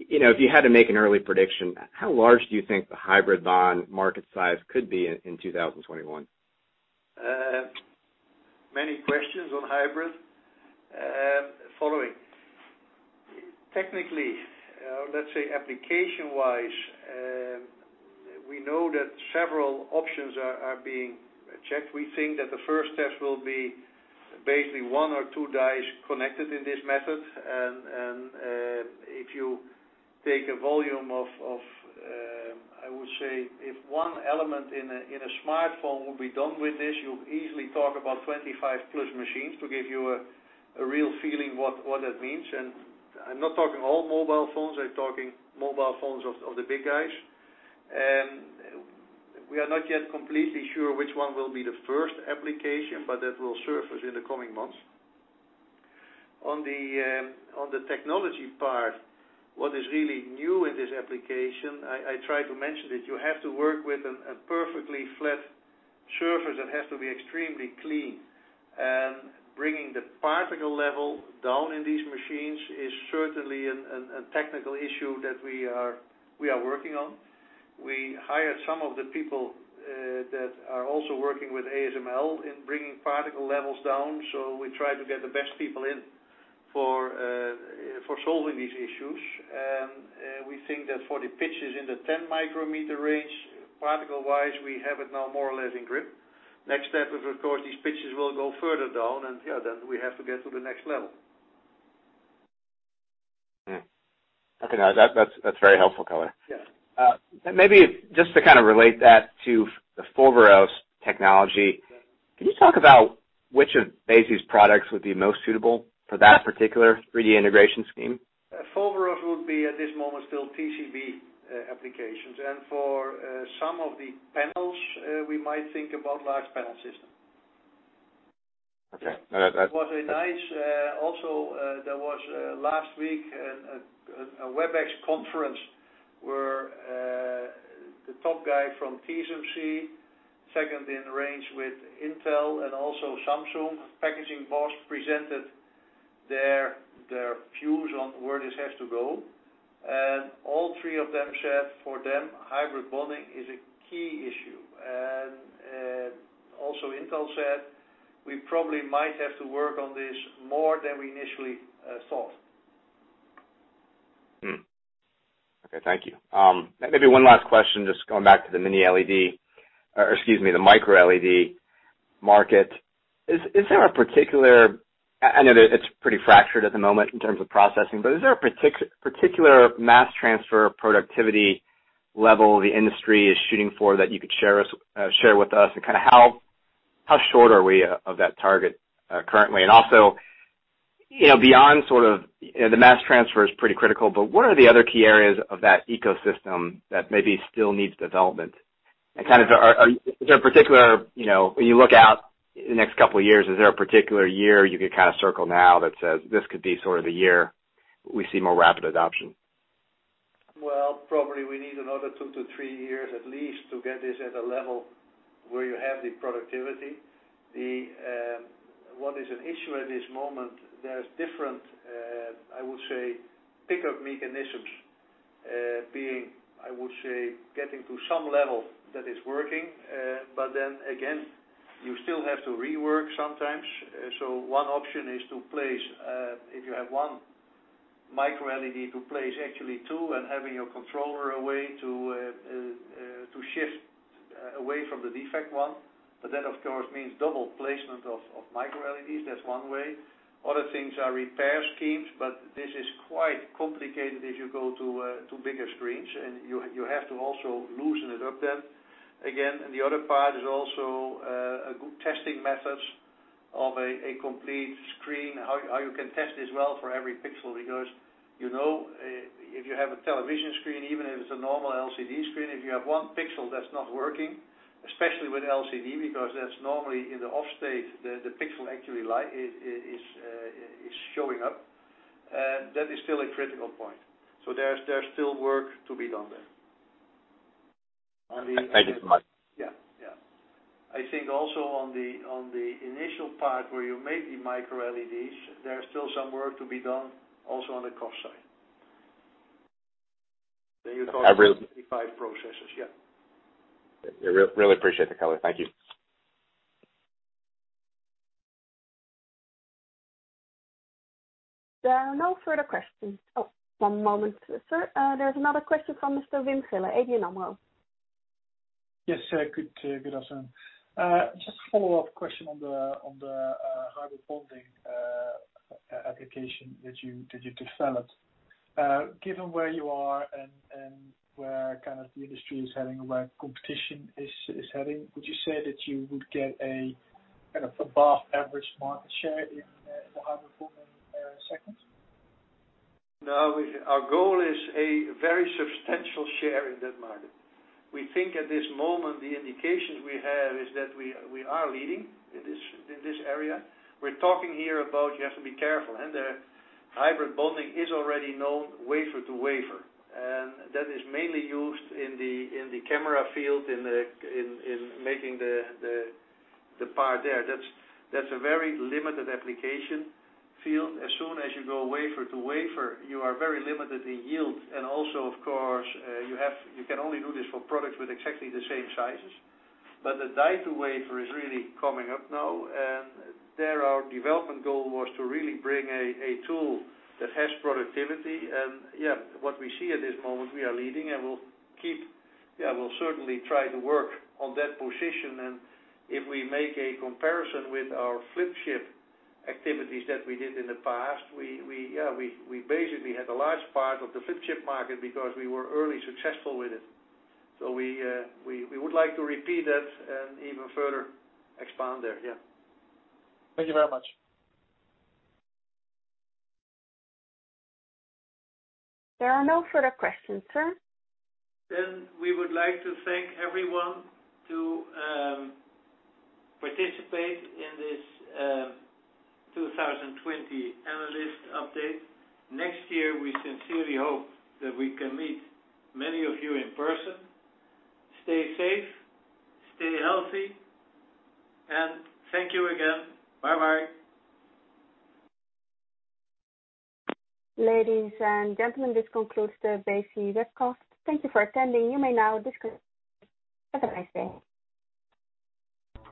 If you had to make an early prediction, how large do you think the hybrid bond market size could be in 2021? Many questions on hybrid. Following. Technically, let's say application-wise, we know that several options are being checked. We think that the first test will be basically one or two dies connected in this method. If you take a volume of, I would say, if one element in a smartphone will be done with this, you easily talk about 25+ machines, to give you a real feeling what that means. I'm not talking all mobile phones, I'm talking mobile phones of the big guys. We are not yet completely sure which one will be the first application, but that will surface in the coming months. On the technology part, what is really new in this application, I try to mention it, you have to work with a perfectly flat surface that has to be extremely clean. Bringing the particle level down in these machines is certainly a technical issue that we are working on. We hired some of the people that are also working with ASML in bringing particle levels down. We try to get the best people in for solving these issues. We think that for the pitches in the 10 micrometer range, particle-wise, we have it now more or less in grip. Next step is, of course, these pitches will go further down. We have to get to the next level. Okay. No, that's very helpful color. Yeah. Maybe just to kind of relate that to the Foveros technology. Yeah. Can you talk about which of Besi's products would be most suitable for that particular 3D integration scheme? Foveros would be, at this moment, still TCB applications. For some of the panels, we might think about large panel system. Okay. Also, there was, last week, a Webex conference where the top guy from TSMC, second in range with Intel and also Samsung packaging boss presented their views on where this has to go. All three of them said, for them, hybrid bonding is a key issue. Also Intel said, "We probably might have to work on this more than we initially thought. Okay. Thank you. Maybe one last question, just going back to the Mini LED, or excuse me, the Micro LED market. I know that it's pretty fractured at the moment in terms of processing. Is there a particular mass transfer productivity level the industry is shooting for that you could share with us, and kind of how short are we of that target currently? Beyond sort of, the mass transfer is pretty critical. What are the other key areas of that ecosystem that maybe still needs development? When you look out the next couple of years, is there a particular year you could kind of circle now that says this could be sort of the year we see more rapid adoption? Well, probably we need another two to three years at least to get this at a level where you have the productivity. What is an issue at this moment, there's different, I would say, pickup mechanisms, being, I would say, getting to some level that is working. Again, you still have to rework sometimes. One option is to place, if you have one Micro LED, to place actually two and having your controller away to shift away from the defect one. That, of course, means double placement of Micro LEDs. That's one way. Other things are repair schemes. This is quite complicated if you go to bigger screens. You have to also loosen it up then. The other part is also good testing methods of a complete screen, how you can test as well for every pixel, because you know if you have a television screen, even if it's a normal LCD screen, if you have one pixel that's not working, especially with LCD because that's normally in the off state, the pixel actually is showing up. That is still a critical point. There's still work to be done there. Thank you so much. Yeah. I think also on the initial part where you make the Micro LEDs, there's still some work to be done also on the cost side. I really- fab processes. Yeah. Yeah. Really appreciate the color. Thank you. There are no further questions. Oh, one moment, sir. There's another question from Mr. Wim Gille, ABN AMRO. Yes. Good afternoon. Just a follow-up question on the hybrid bonding application that you developed. Given where you are and where the industry is heading and where competition is heading, would you say that you would get an above-average market share in the hybrid bonding segment? No. Our goal is a very substantial share in that market. We think at this moment, the indications we have is that we are leading in this area. We're talking here about, you have to be careful. The hybrid bonding is already known wafer to wafer, and that is mainly used in the camera field, in making the part there. That's a very limited application field. As soon as you go wafer to wafer, you are very limited in yield. Also, of course, you can only do this for products with exactly the same sizes. The die to wafer is really coming up now, and there our development goal was to really bring a tool that has productivity. Yes, what we see at this moment, we are leading, and we'll certainly try to work on that position. If we make a comparison with our flip chip activities that we did in the past, we basically had a large part of the flip chip market because we were early successful with it. We would like to repeat that and even further expand there. Thank you very much. There are no further questions, Sir. We would like to thank everyone to participate in this 2020 analyst update. Next year, we sincerely hope that we can meet many of you in person. Stay safe, stay healthy, and thank you again. Bye-bye. Ladies and gentlemen, this concludes the Besi webcast. Thank you for attending. You may now disconnect. Have a nice day.